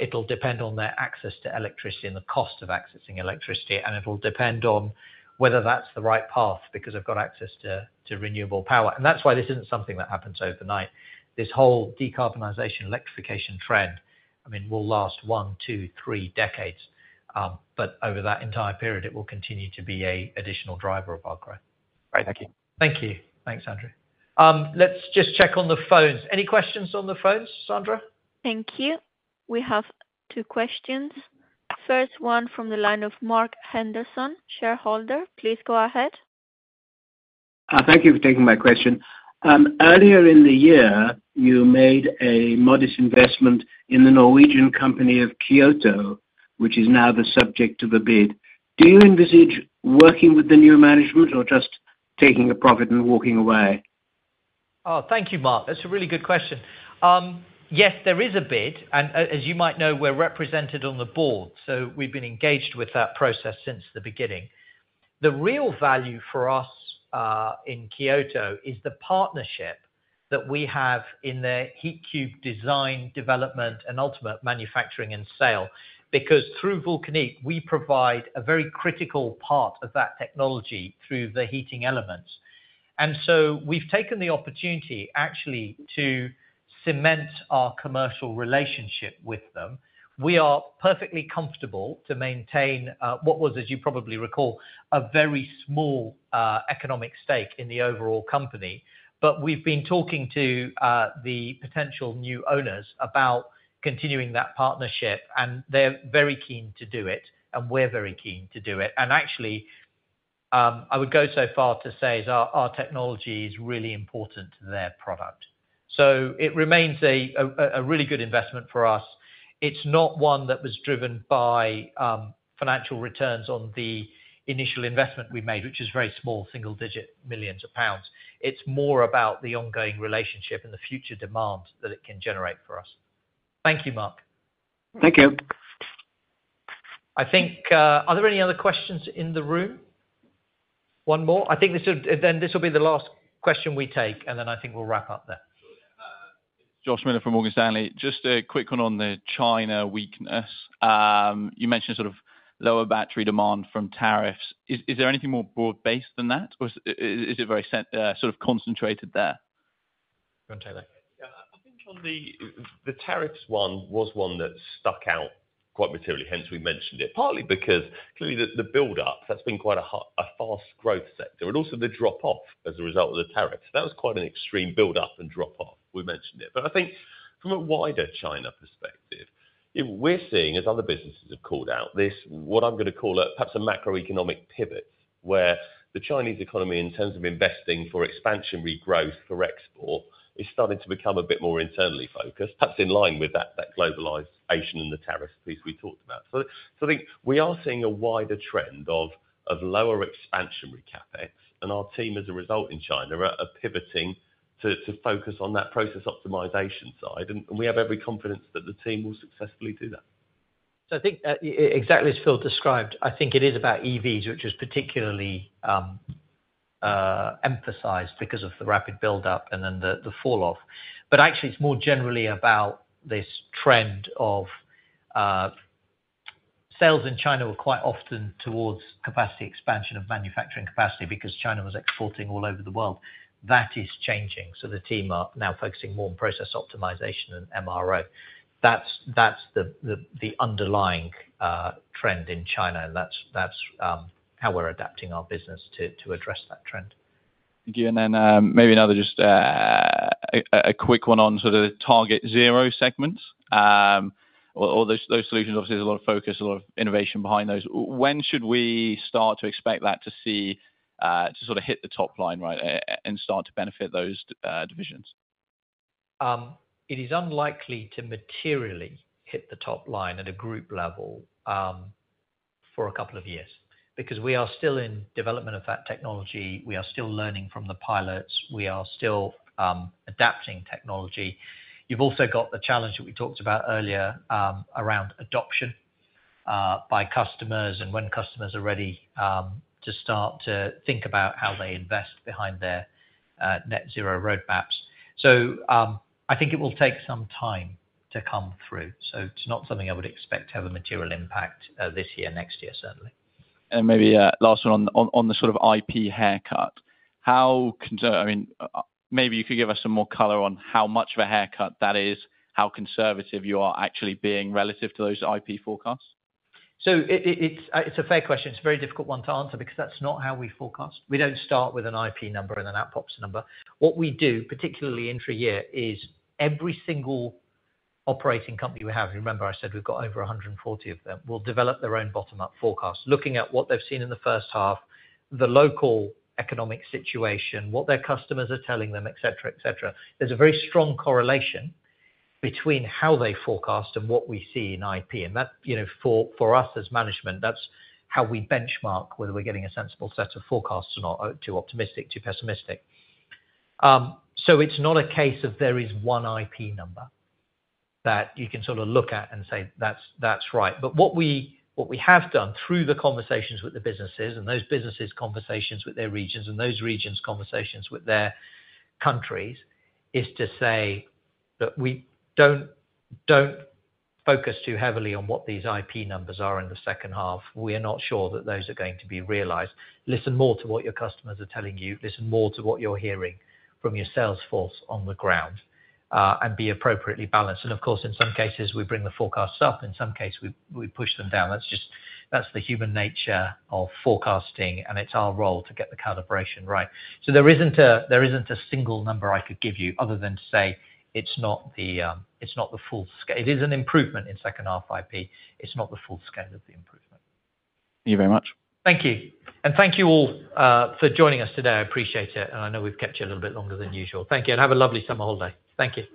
Speaker 1: It'll depend on their access to electricity and the cost of accessing electricity, and it'll depend on whether that's the right path, because they've got access to renewable power. And that's why this isn't something that happens overnight. This whole decarbonization, electrification trend, I mean, will last one, two, three decades. But over that entire period, it will continue to be an additional driver of our growth.
Speaker 11: Right. Thank you.
Speaker 1: Thank you. Thanks, Andrew. Let's just check on the phones. Any questions on the phones, Sandra?
Speaker 7: Thank you. We have two questions. First one from the line of Mark Henderson, shareholder. Please go ahead.
Speaker 12: Thank you for taking my question. Earlier in the year, you made a modest investment in the Norwegian company of Kyoto, which is now the subject of a bid. Do you envisage working with the new management or just taking a profit and walking away?
Speaker 1: Oh, thank you, Mark. That's a really good question. Yes, there is a bid, and as you might know, we're represented on the board, so we've been engaged with that process since the beginning. The real value for us in Kyoto is the partnership that we have in their Heatcube design, development, and ultimate manufacturing and sale. Because through Vulcanic, we provide a very critical part of that technology through the heating elements. And so we've taken the opportunity, actually, to cement our commercial relationship with them. We are perfectly comfortable to maintain what was, as you probably recall, a very small economic stake in the overall company, but we've been talking to the potential new owners about continuing that partnership, and they're very keen to do it, and we're very keen to do it. And actually, I would go so far to say is our technology is really important to their product. So it remains a really good investment for us. It's not one that was driven by financial returns on the initial investment we made, which is very small, single-digit millions of GBP. It's more about the ongoing relationship and the future demands that it can generate for us. Thank you, Mark.
Speaker 12: Thank you.
Speaker 1: I think. Are there any other questions in the room? One more. I think this will, then this will be the last question we take, and then I think we'll wrap up then.
Speaker 13: Josh Miller from Morgan Stanley. Just a quick one on the China weakness. You mentioned sort of lower battery demand from tariffs. Is there anything more broad-based than that, or is it very sort of concentrated there?
Speaker 1: Wanna take that?
Speaker 2: Yeah, I think on the tariffs one was one that stuck out quite materially, hence we mentioned it. Partly because clearly the buildup, that's been quite a fast growth sector, and also the drop off as a result of the tariffs. That was quite an extreme buildup and drop off. We mentioned it. But I think from a wider China perspective. If we're seeing, as other businesses have called out, this, what I'm gonna call it, perhaps a macroeconomic pivot, where the Chinese economy, in terms of investing for expansionary growth for export, is starting to become a bit more internally focused, perhaps in line with that, that globalization and the tariff piece we talked about. So I think we are seeing a wider trend of lower expansionary CapEx, and our team, as a result in China, are pivoting to focus on that process optimization side. We have every confidence that the team will successfully do that.
Speaker 1: So I think, exactly as Phil described, I think it is about EVs, which is particularly emphasized because of the rapid buildup and then the falloff. But actually, it's more generally about this trend of sales in China were quite often towards capacity expansion of manufacturing capacity, because China was exporting all over the world. That is changing, so the team are now focusing more on process optimization and MRO. That's the underlying trend in China, and that's how we're adapting our business to address that trend.
Speaker 13: Thank you, and then, maybe another, just, a quick one on sort of the TargetZero segment. All those solutions, obviously, there's a lot of focus, a lot of innovation behind those. When should we start to expect that to see, to sort of hit the top line, right and start to benefit those, divisions?
Speaker 1: It is unlikely to materially hit the top line at a group level, for a couple of years, because we are still in development of that technology. We are still learning from the pilots. We are still adapting technology. You've also got the challenge that we talked about earlier, around adoption, by customers and when customers are ready, to start to think about how they invest behind their net zero roadmaps. So, I think it will take some time to come through, so it's not something I would expect to have a material impact, this year, next year, certainly.
Speaker 13: And maybe last one on the sort of IP haircut. How conservative, I mean, maybe you could give us some more color on how much of a haircut that is, how conservative you are actually being relative to those IP forecasts?
Speaker 1: So it's a fair question. It's a very difficult one to answer because that's not how we forecast. We don't start with an IP number and an output number. What we do, particularly intra-year, is every single operating company we have, you remember I said we've got over 140 of them, will develop their own bottom-up forecast, looking at what they've seen in the first half, the local economic situation, what their customers are telling them, et cetera, et cetera. There's a very strong correlation between how they forecast and what we see in IP, and that, you know, for us, as management, that's how we benchmark whether we're getting a sensible set of forecasts or not, or too optimistic, too pessimistic. So it's not a case of there is one IP number that you can sort of look at and say, "That's, that's right." But what we, what we have done through the conversations with the businesses, and those businesses' conversations with their regions, and those regions' conversations with their countries, is to say that we don't, don't focus too heavily on what these IP numbers are in the second half. We are not sure that those are going to be realized. Listen more to what your customers are telling you. Listen more to what you're hearing from your sales force on the ground, and be appropriately balanced. And of course, in some cases, we bring the forecasts up, in some case we, we push them down. That's just, that's the human nature of forecasting, and it's our role to get the calibration right. So there isn't a single number I could give you, other than to say it's not the full scale. It is an improvement in second half IP. It's not the full scale of the improvement.
Speaker 13: Thank you very much.
Speaker 1: Thank you. Thank you all, for joining us today. I appreciate it, and I know we've kept you a little bit longer than usual. Thank you, and have a lovely summer holiday. Thank you.